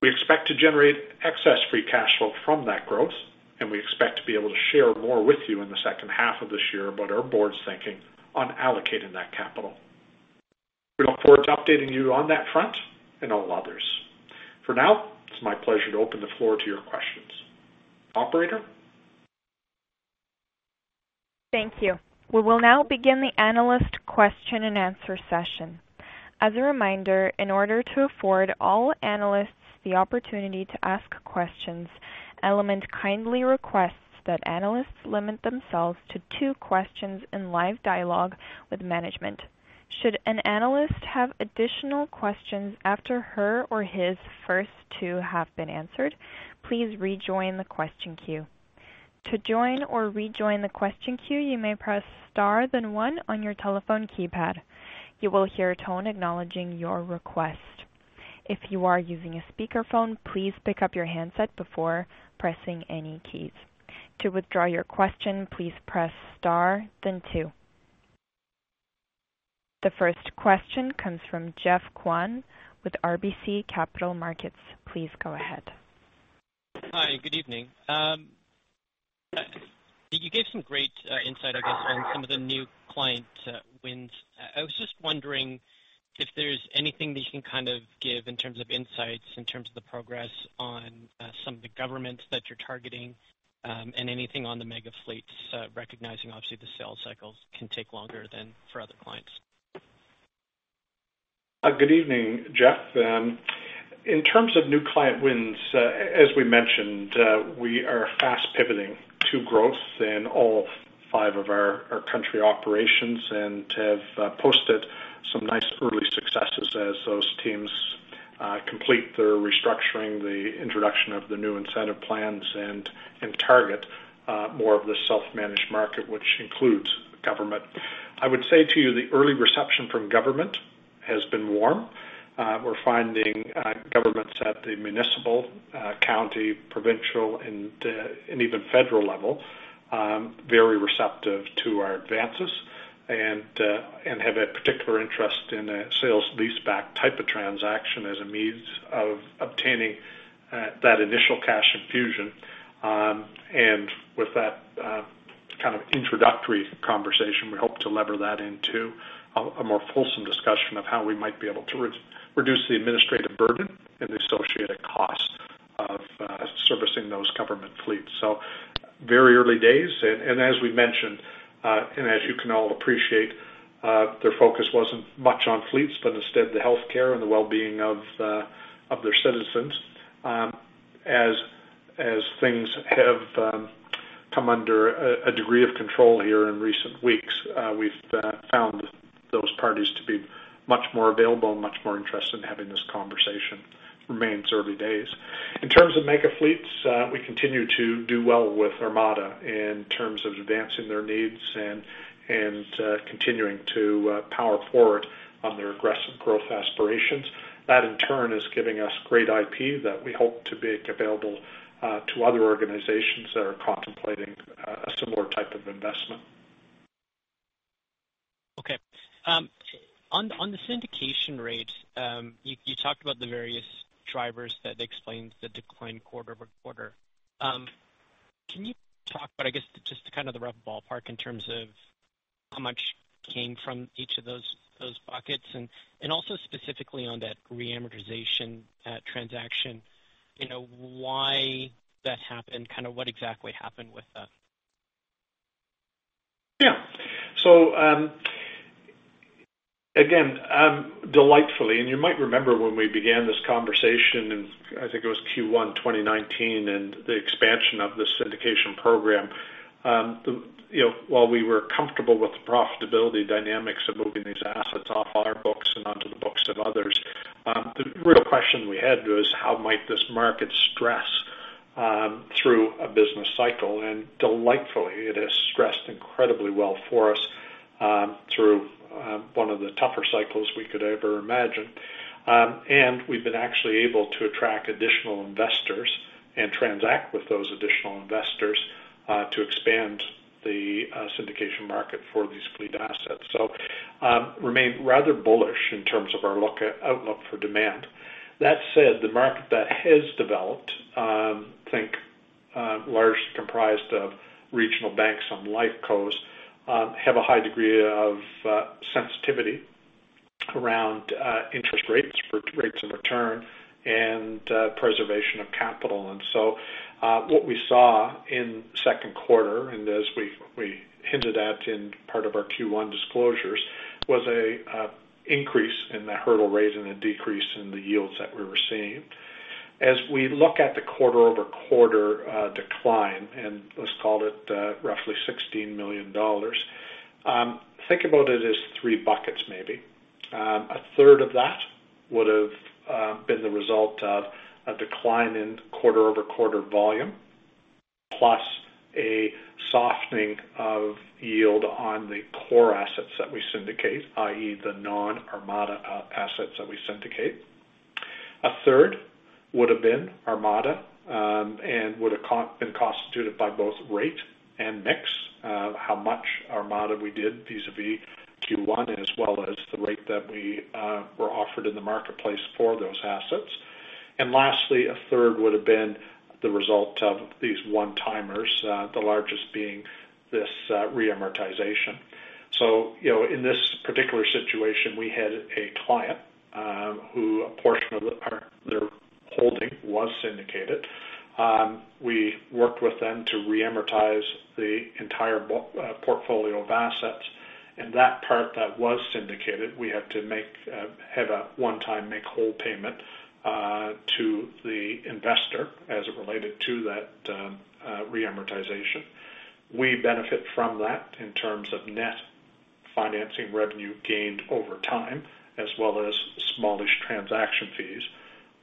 We expect to generate excess free cash flow from that growth, and we expect to be able to share more with you in the second half of this year about our board's thinking on allocating that capital. We look forward to updating you on that front and all others. For now, it's my pleasure to open the floor to your questions. Operator? Thank you. We will now begin the analyst question-and-answer session. As a reminder, in order to afford all analysts the opportunity to ask questions, Element kindly requests that analysts limit themselves to two questions in live dialogue with management. Should an analyst have additional questions after her or his first two have been answered, please rejoin the question queue. To join or rejoin the question queue, you may press star then one on your telephone keypad. You will hear a tone acknowledging your request. If you are using a speakerphone, please pick up your handset before pressing any keys. To withdraw your question, please press star then two. The first question comes from Geoff Kwan with RBC Capital Markets. Please go ahead. Hi. Good evening. You gave some great insight, I guess, on some of the new client wins. I was just wondering if there is anything that you can give in terms of insights, in terms of the progress on some of the governments that you are targeting, and anything on the mega fleets, recognizing obviously the sales cycles can take longer than for other clients. Good evening, Geoff. In terms of new client wins, as we mentioned, we are fast pivoting to growth in all five of our country operations and have posted some nice early successes as those teams complete their restructuring, the introduction of the new incentive plans, and target more of the self-managed market, which includes government. I would say to you, the early reception from government has been warm. We're finding governments at the municipal, county, provincial, and even federal level very receptive to our advances, and have a particular interest in a sale-leaseback type of transaction as a means of obtaining that initial cash infusion. With that kind of introductory conversation, we hope to lever that into a more fulsome discussion of how we might be able to reduce the administrative burden and the associated cost of servicing those government fleets. Very early days. As we mentioned, and as you can all appreciate, their focus wasn't much on fleets, but instead the healthcare and the wellbeing of their citizens. As things have come under a degree of control here in recent weeks, we've found those parties to be much more available and much more interested in having this conversation. Remains early days. In terms of mega-fleets, we continue to do well with Armada in terms of advancing their needs and continuing to power forward on their aggressive growth aspirations. That in turn, is giving us great IP that we hope to make available to other organizations that are contemplating a similar type of investment. Okay. On the syndication rates, you talked about the various drivers that explained the decline quarter-over-quarter. Can you talk about, I guess, just kind of the rough ballpark in terms of how much came from each of those buckets, and also specifically on that re-amortization transaction, why that happened? What exactly happened with that? Yeah. Again, delightfully, and you might remember when we began this conversation in, I think it was Q1 2019, and the expansion of the syndication program. While we were comfortable with the profitability dynamics of moving these assets off our books and onto the books of others, the real question we had was how might this market stress through a business cycle? Delightfully, it has stressed incredibly well for us through one of the tougher cycles we could ever imagine. We've been actually able to attract additional investors and transact with those additional investors to expand the syndication market for these fleet assets. Remain rather bullish in terms of our outlook for demand. That said, the market that has developed, think largely comprised of regional banks on the left coast, have a high degree of sensitivity around interest rates for rates of return and preservation of capital. What we saw in second quarter, and as we hinted at in part of our Q1 disclosures, was a increase in the hurdle rate and a decrease in the yields that we were seeing. As we look at the quarter-over-quarter decline, and let's call it roughly 16 million dollars, think about it as three buckets maybe. A third of that would've been the result of a decline in quarter-over-quarter volume, plus a softening of yield on the core assets that we syndicate, i.e., the non-Armada assets that we syndicate. A third would've been Armada, and would've been constituted by both rate and mix, how much Armada we did vis-a-vis Q1, as well as the rate that we were offered in the marketplace for those assets. Lastly, a third would've been the result of these one-timers, the largest being this re-amortization. In this particular situation, we had a client who a portion of their holding was syndicated. We worked with them to re-amortize the entire portfolio of assets, and that part that was syndicated, we had to have a one-time make-whole payment to the investor as it related to that re-amortization. We benefit from that in terms of net financing revenue gained over time, as well as smallish transaction fees.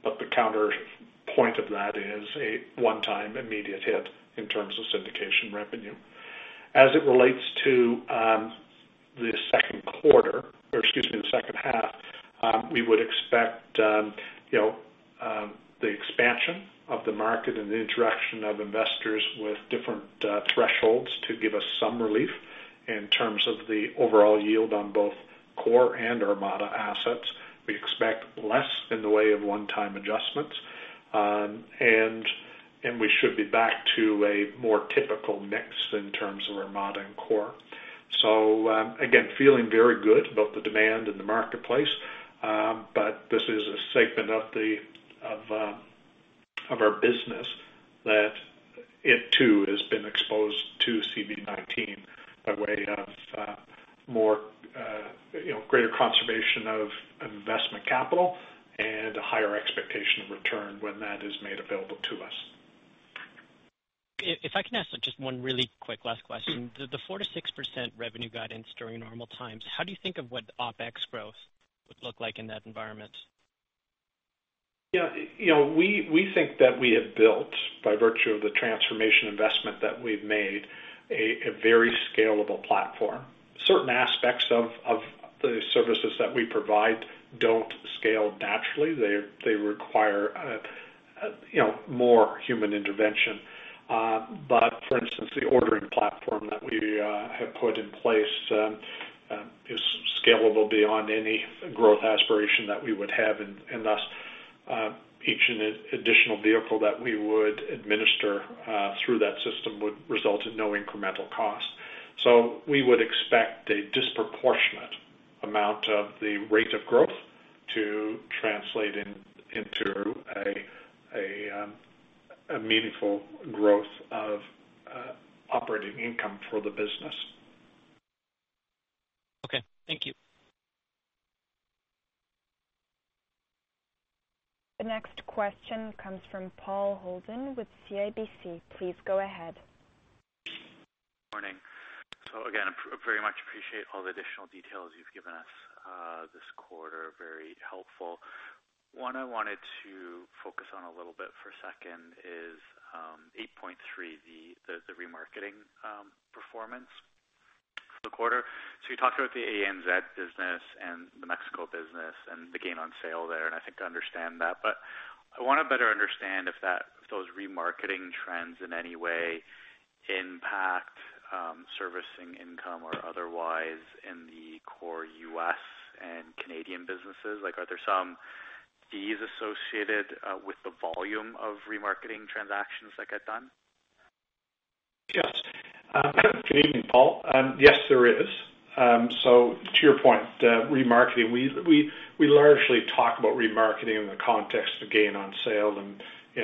The counterpoint of that is a one-time immediate hit in terms of syndication revenue. As it relates to the second quarter, or excuse me, the second half, we would expect the expansion of the market and the interaction of investors with different thresholds to give us some relief in terms of the overall yield on both core and Armada assets. We expect less in the way of one-time adjustments. We should be back to a more typical mix in terms of Armada and core. Again, feeling very good about the demand in the marketplace. This is a segment of our business that it too has been exposed to COVID-19 by way of greater conservation of investment capital, and a higher expectation of return when that is made available to us. If I can ask just one really quick last question. The 4%-6% revenue guidance during normal times, how do you think of what the OpEx growth would look like in that environment? Yeah. We think that we have built, by virtue of the transformation investment that we've made, a very scalable platform. Certain aspects of the services that we provide don't scale naturally. They require more human intervention. For instance, the ordering platform that we have put in place is scalable beyond any growth aspiration that we would have. Thus, each additional vehicle that we would administer through that system would result in no incremental cost. We would expect a disproportionate amount of the rate of growth to translate into a meaningful growth of operating income for the business. Okay. Thank you. The next question comes from Paul Holden with CIBC. Please go ahead. Morning. Again, very much appreciate all the additional details you've given us this quarter. Very helpful. One I wanted to focus on a little bit for a second is 8.3, the remarketing performance for the quarter. You talked about the ANZ business and the Mexico business and the gain on sale there, and I think I understand that. I want to better understand if those remarketing trends in any way impact servicing income or otherwise in the core U.S. and Canadian businesses. Are there some fees associated with the volume of remarketing transactions that get done? Yes. Good evening, Paul. Yes, there is. To your point, remarketing. We largely talk about remarketing in the context of gain on sale in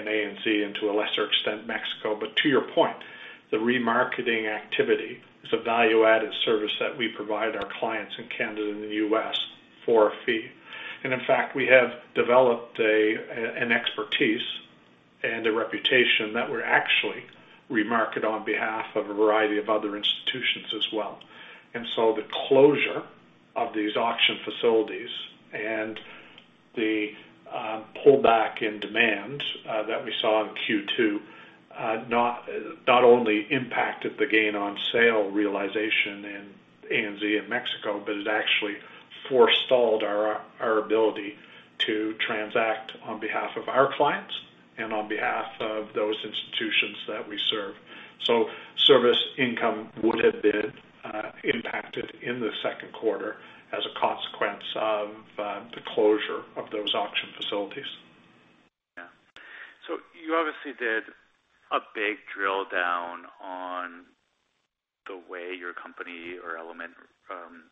ANZ, and to a lesser extent, Mexico. To your point, the remarketing activity is a value-added service that we provide our clients in Canada and the U.S. for a fee. In fact, we have developed an expertise and a reputation that we're actually remarket on behalf of a variety of other institutions as well. The closure of these auction facilities and the pullback in demand that we saw in Q2 not only impacted the gain on sale realization in ANZ and Mexico, but it actually forestalled our ability to transact on behalf of our clients and on behalf of those institutions that we serve. Service income would have been impacted in the second quarter as a consequence of the closure of those auction facilities. Yeah. You obviously did a big drill down on the way your company or Element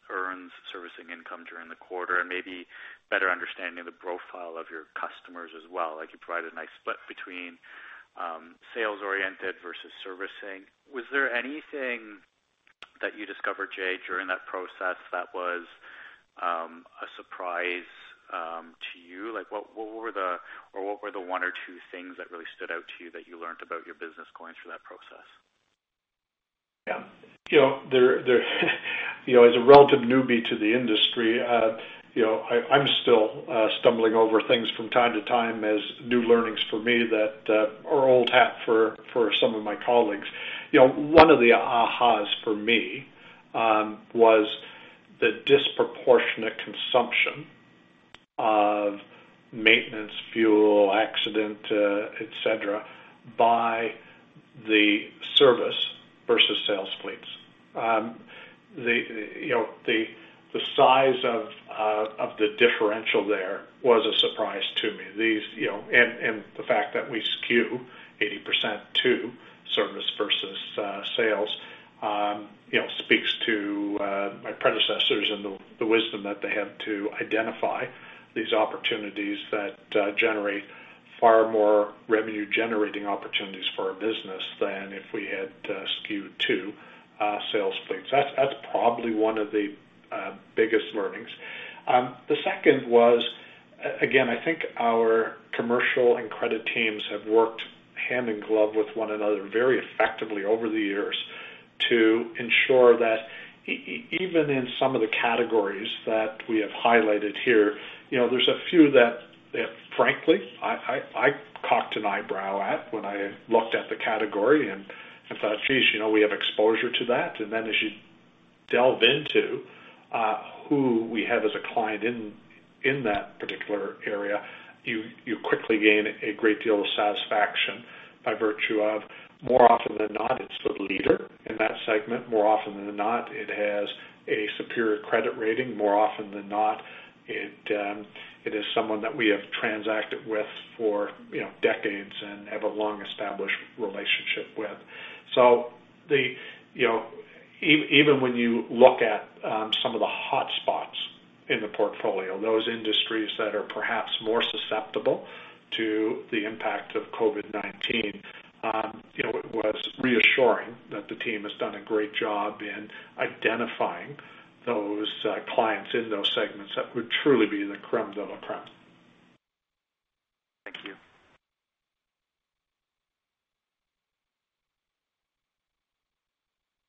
earns servicing income during the quarter, and maybe better understanding the profile of your customers as well. You provided a nice split between sales oriented versus servicing. Was there anything that you discovered, Jay, during that process that was a surprise to you? What were the one or two things that really stood out to you that you learned about your business going through that process? Yeah. As a relative newbie to the industry, I'm still stumbling over things from time to time as new learnings for me that are old hat for some of my colleagues. One of the ahas for me was the disproportionate consumption of maintenance, fuel, accident, et cetera, by the service versus sales fleets. The size of the differential there was a surprise to me. The fact that we skew 80% to service versus sales speaks to my predecessors and the wisdom that they had to identify these opportunities that generate far more revenue-generating opportunities for our business than if we had skewed to sales fleets. That's probably one of the biggest learnings. The second was, again, I think our commercial and credit teams have worked hand in glove with one another very effectively over the years to ensure that even in some of the categories that we have highlighted here, there's a few that, frankly, I cocked an eyebrow at when I looked at the category and thought, "Geez, we have exposure to that?" Then as you delve into who we have as a client in that particular area, you quickly gain a great deal of satisfaction by virtue of, more often than not, it's the leader in that segment. More often than not, it has a superior credit rating. More often than not, it is someone that we have transacted with for decades and have a long-established relationship with. Even when you look at some of the hot spots in the portfolio, those industries that are perhaps more susceptible to the impact of COVID-19, it was reassuring that the team has done a great job in identifying those clients in those segments that would truly be the crème de la crème.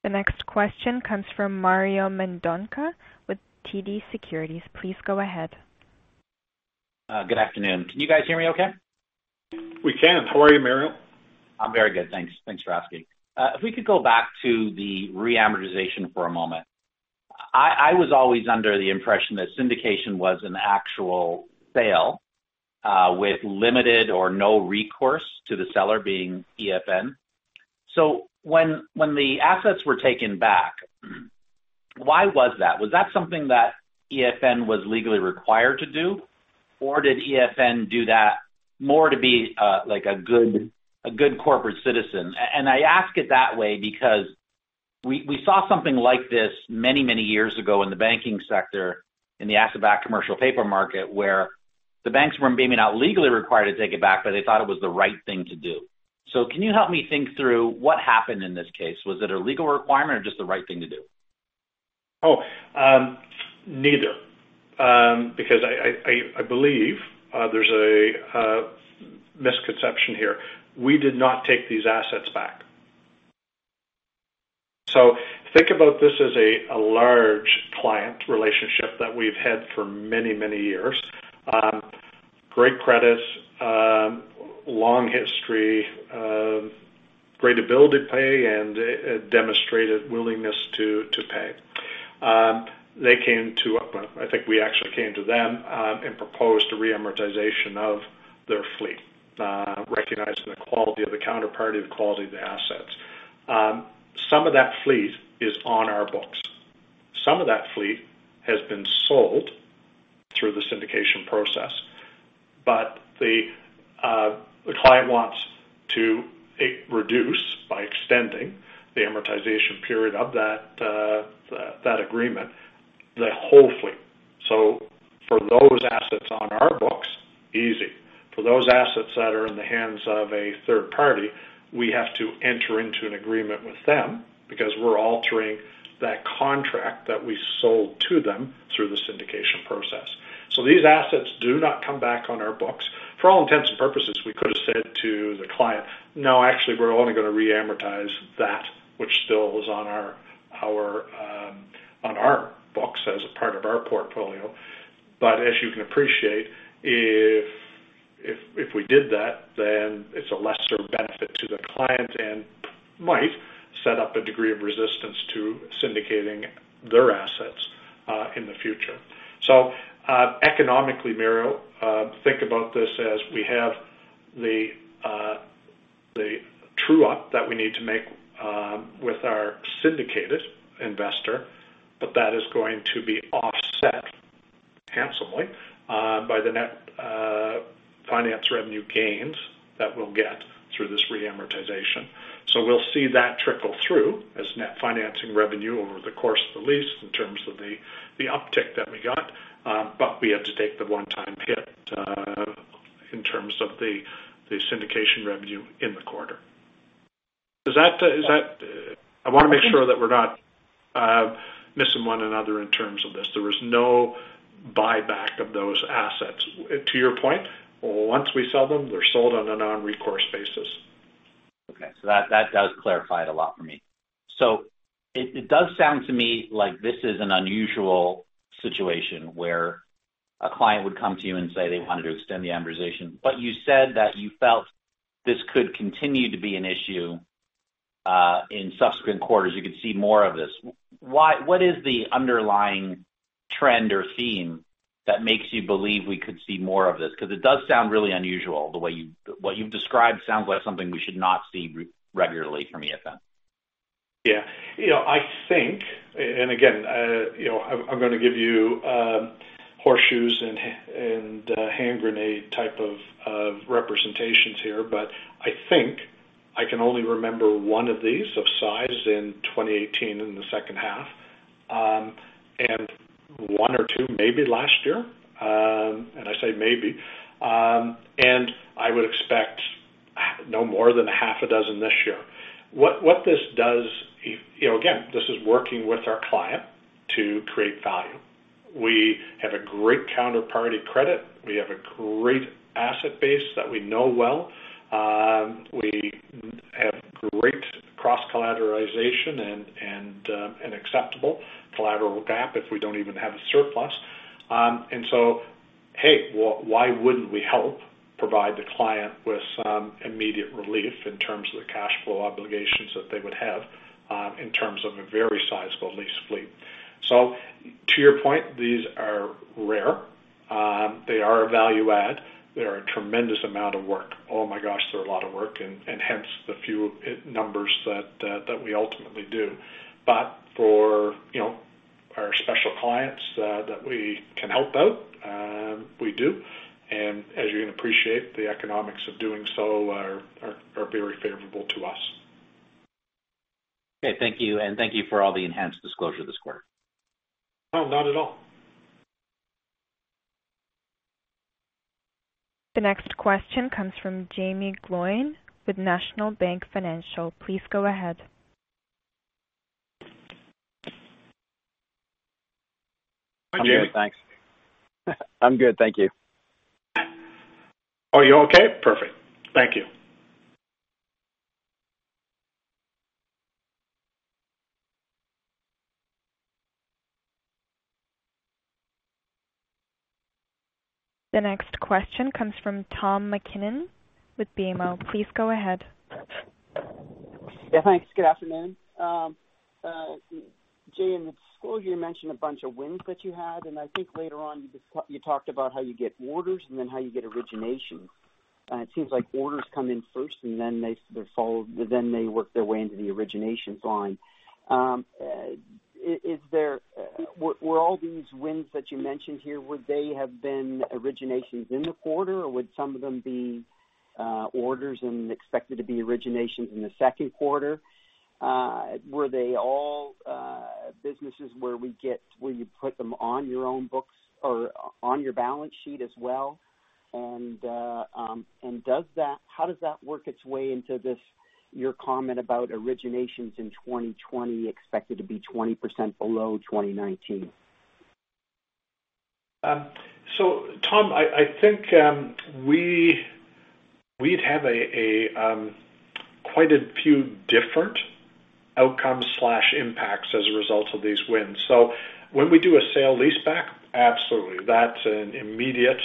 The next question comes from Mario Mendonca with TD Securities. Please go ahead. Good afternoon. Can you guys hear me okay? We can. How are you, Mario? I'm very good. Thanks for asking. If we could go back to the re-amortization for a moment. I was always under the impression that syndication was an actual sale, with limited or no recourse to the seller being EFN. When the assets were taken back, why was that? Was that something that EFN was legally required to do? Or did EFN do that more to be a good corporate citizen? I ask it that way because we saw something like this many years ago in the banking sector, in the asset-backed commercial paper market, where the banks weren't being legally required to take it back, but they thought it was the right thing to do. Can you help me think through what happened in this case? Was it a legal requirement or just the right thing to do? Oh, neither. I believe there's a misconception here. We did not take these assets back. Think about this as a large client relationship that we've had for many years. Great credits, long history, great ability to pay and a demonstrated willingness to pay. They came to us. I think we actually came to them, and proposed a re-amortization of their fleet, recognizing the quality of the counterparty, the quality of the assets. Some of that fleet is on our books. Some of that fleet has been sold through the syndication process. The client wants to reduce by extending the amortization period of that agreement, the whole fleet. For those assets on our books, easy. For those assets that are in the hands of a third party, we have to enter into an agreement with them because we're altering that contract that we sold to them through the syndication process. These assets do not come back on our books. For all intents and purposes, we could have said to the client, "No, actually, we're only going to re-amortize that which still is on our books as a part of our portfolio." As you can appreciate, if we did that, then it's a lesser benefit to the client and might set up a degree of resistance to syndicating their assets in the future. Economically, Mario, think about this as we have the true-up that we need to make with our syndicated investor, but that is going to be offset handsomely by the net financing revenue gains that we'll get through this re-amortization. We'll see that trickle through as net financing revenue over the course of the lease in terms of the uptick that we got. We had to take the one-time hit in terms of the syndication revenue in the quarter. I want to make sure that we're not missing one another in terms of this. There was no buyback of those assets. To your point, once we sell them, they're sold on a non-recourse basis. That does clarify it a lot for me. It does sound to me like this is an unusual situation where a client would come to you and say they wanted to extend the amortization. You said that you felt this could continue to be an issue in subsequent quarters, you could see more of this. What is the underlying trend or theme that makes you believe we could see more of this? It does sound really unusual. What you've described sounds like something we should not see regularly from EFN. Yeah. I think, again, I'm going to give you horseshoes and a hand grenade type of representations here, but I think I can only remember one of these of size in 2018 in the second half, one or two maybe last year. I say maybe. I would expect no more than a half a dozen this year. What this does, again, this is working with our client to create value. We have a great counterparty credit. We have a great asset base that we know well. We have great cross-collateralization and acceptable collateral gap if we don't even have a surplus. Hey, why wouldn't we help provide the client with some immediate relief in terms of the cash flow obligations that they would have in terms of a very sizable lease fleet? To your point, these are rare. They are a value add. They are a tremendous amount of work. Oh my gosh, they're a lot of work. Hence the few numbers that we ultimately do. For our special clients that we can help out, we do. As you can appreciate, the economics of doing so are very favorable to us. Okay. Thank you, and thank you for all the enhanced disclosure this quarter. No, not at all. The next question comes from Jaeme Gloyn with National Bank Financial. Please go ahead. Good, thanks. I'm good, thank you. Are you okay? Perfect. Thank you. The next question comes from Tom MacKinnon with BMO. Please go ahead. Yeah, thanks. Good afternoon. Jay, in the disclosure, you mentioned a bunch of wins that you had, and I think later on you talked about how you get orders and then how you get originations. It seems like orders come in first, and then they work their way into the originations line. Were all these wins that you mentioned here, would they have been originations in the quarter, or would some of them be orders and expected to be originations in the second quarter? Were they all businesses where you put them on your own books or on your balance sheet as well? How does that work its way into your comment about originations in 2020 expected to be 20% below 2019? Tom, I think we'd have quite a few different outcomes/impacts as a result of these wins. When we do a sale-leaseback, absolutely that's an immediate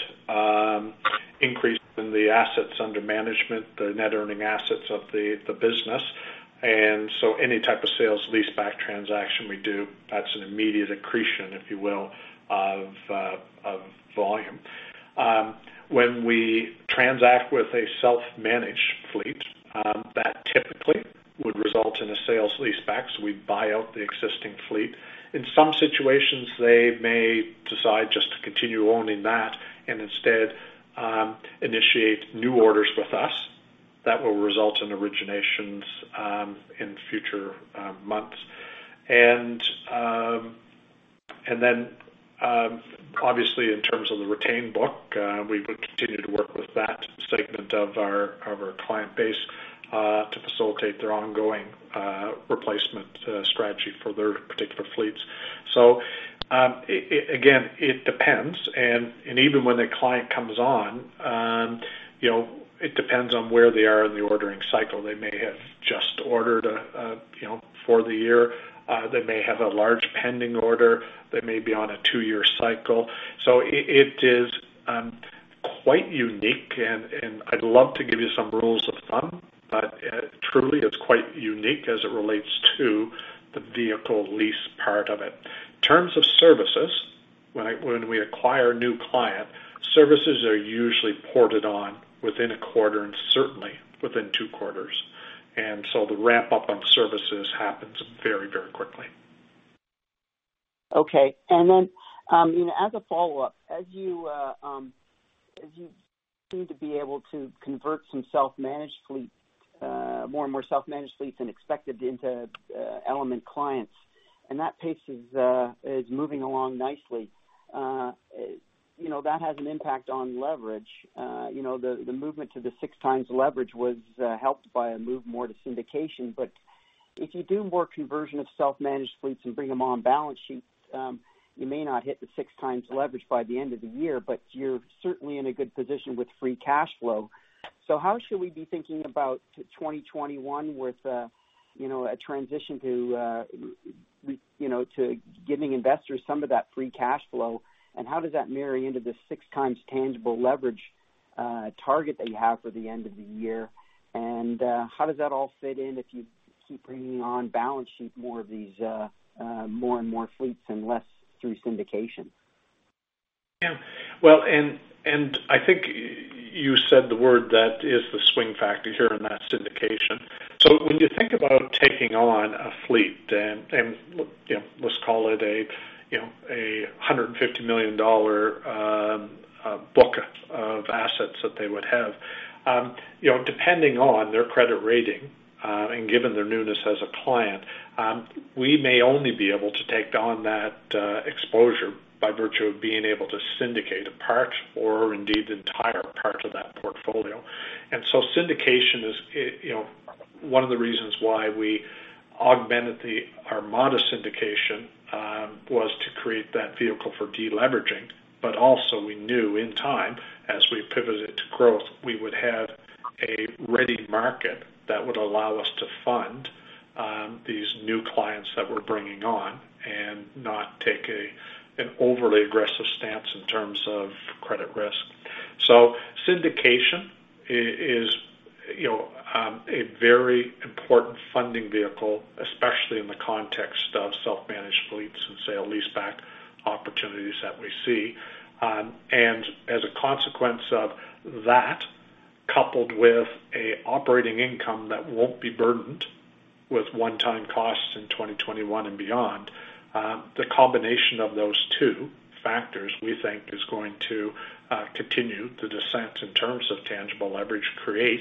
increase in the assets under management, the net earning assets of the business. Any type of sales leaseback transaction we do, that's an immediate accretion, if you will, of volume. When we transact with a self-managed fleet, that typically would result in a sales leaseback, so we'd buy out the existing fleet. In some situations, they may decide just to continue owning that and instead initiate new orders with us. That will result in originations in future months. Obviously, in terms of the retained book, we would continue to work with that segment of our client base, to facilitate their ongoing replacement strategy for their particular fleets. Again, it depends, and even when a client comes on, it depends on where they are in the ordering cycle. They may have just ordered for the year. They may have a large pending order. They may be on a two-year cycle. It is quite unique, and I'd love to give you some rules of thumb, but truly it's quite unique as it relates to the vehicle lease part of it. In terms of services, when we acquire a new client, services are usually ported on within a quarter and certainly within two quarters. The ramp-up on services happens very quickly. Okay. As a follow-up, as you seem to be able to convert more and more self-managed fleets than expected into Element clients, and that pace is moving along nicely. That has an impact on leverage. The movement to the six times leverage was helped by a move more to syndication. If you do more conversion of self-managed fleets and bring them on balance sheet, you may not hit the six times leverage by the end of the year, but you're certainly in a good position with free cash flow. How should we be thinking about 2021 with a transition to giving investors some of that free cash flow, and how does that marry into the six times tangible leverage target that you have for the end of the year? How does that all fit in if you keep bringing on balance sheet more and more fleets and less through syndication? Yeah. Well, I think you said the word that is the swing factor here, and that's syndication. When you think about taking on a fleet, and let's call it a 150 million dollar book of assets that they would have. Depending on their credit rating, and given their newness as a client, we may only be able to take on that exposure by virtue of being able to syndicate a part or indeed the entire part of that portfolio. Syndication is one of the reasons why we augmented our modest syndication, was to create that vehicle for de-leveraging. Also we knew in time as we pivoted to growth, we would have a ready market that would allow us to fund these new clients that we're bringing on and not take an overly aggressive stance in terms of credit risk. Syndication is a very important funding vehicle, especially in the context of self-managed fleets and sale-leaseback opportunities that we see. As a consequence of that, coupled with an operating income that won't be burdened with one-time costs in 2021 and beyond, the combination of those two factors, we think, is going to continue the descent in terms of tangible leverage create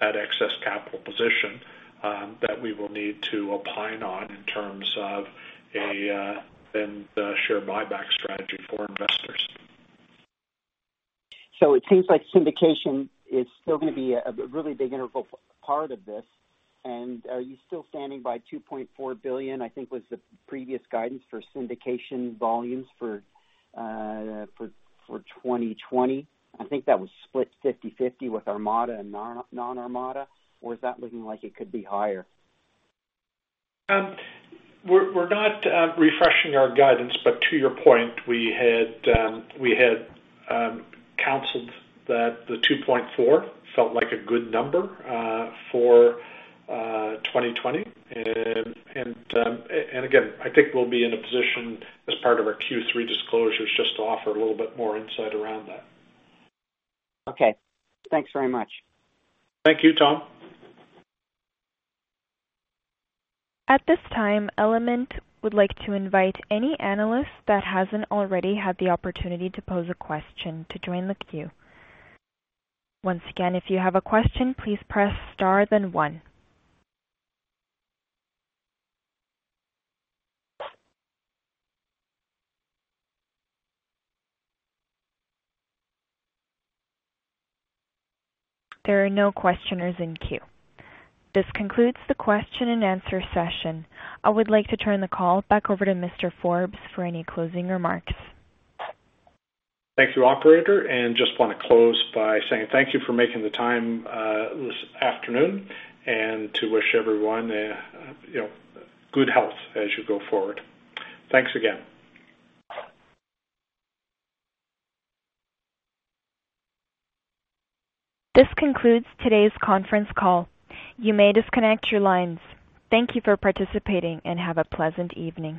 that excess capital position, that we will need to opine on in terms of the share buyback strategy for investors. It seems like syndication is still going to be a really big integral part of this. Are you still standing by 2.4 billion, I think was the previous guidance for syndication volumes for 2020? I think that was split 50/50 with Armada and non-Armada, or is that looking like it could be higher? We're not refreshing our guidance, but to your point, we had counseled that the 2.4 billion felt like a good number for 2020. Again, I think we'll be in a position as part of our Q3 disclosures just to offer a little bit more insight around that. Okay. Thanks very much. Thank you, Tom. At this time, Element would like to invite any analyst that hasn't already had the opportunity to pose a question to join the queue. Once again, if you have a question, please press star then one. There are no questioners in queue. This concludes the question-and-answer session. I would like to turn the call back over to Mr. Forbes for any closing remarks. Thank you, operator. Just want to close by saying thank you for making the time this afternoon, and to wish everyone good health as you go forward. Thanks again. This concludes today's conference call. You may disconnect your lines. Thank you for participating, and have a pleasant evening.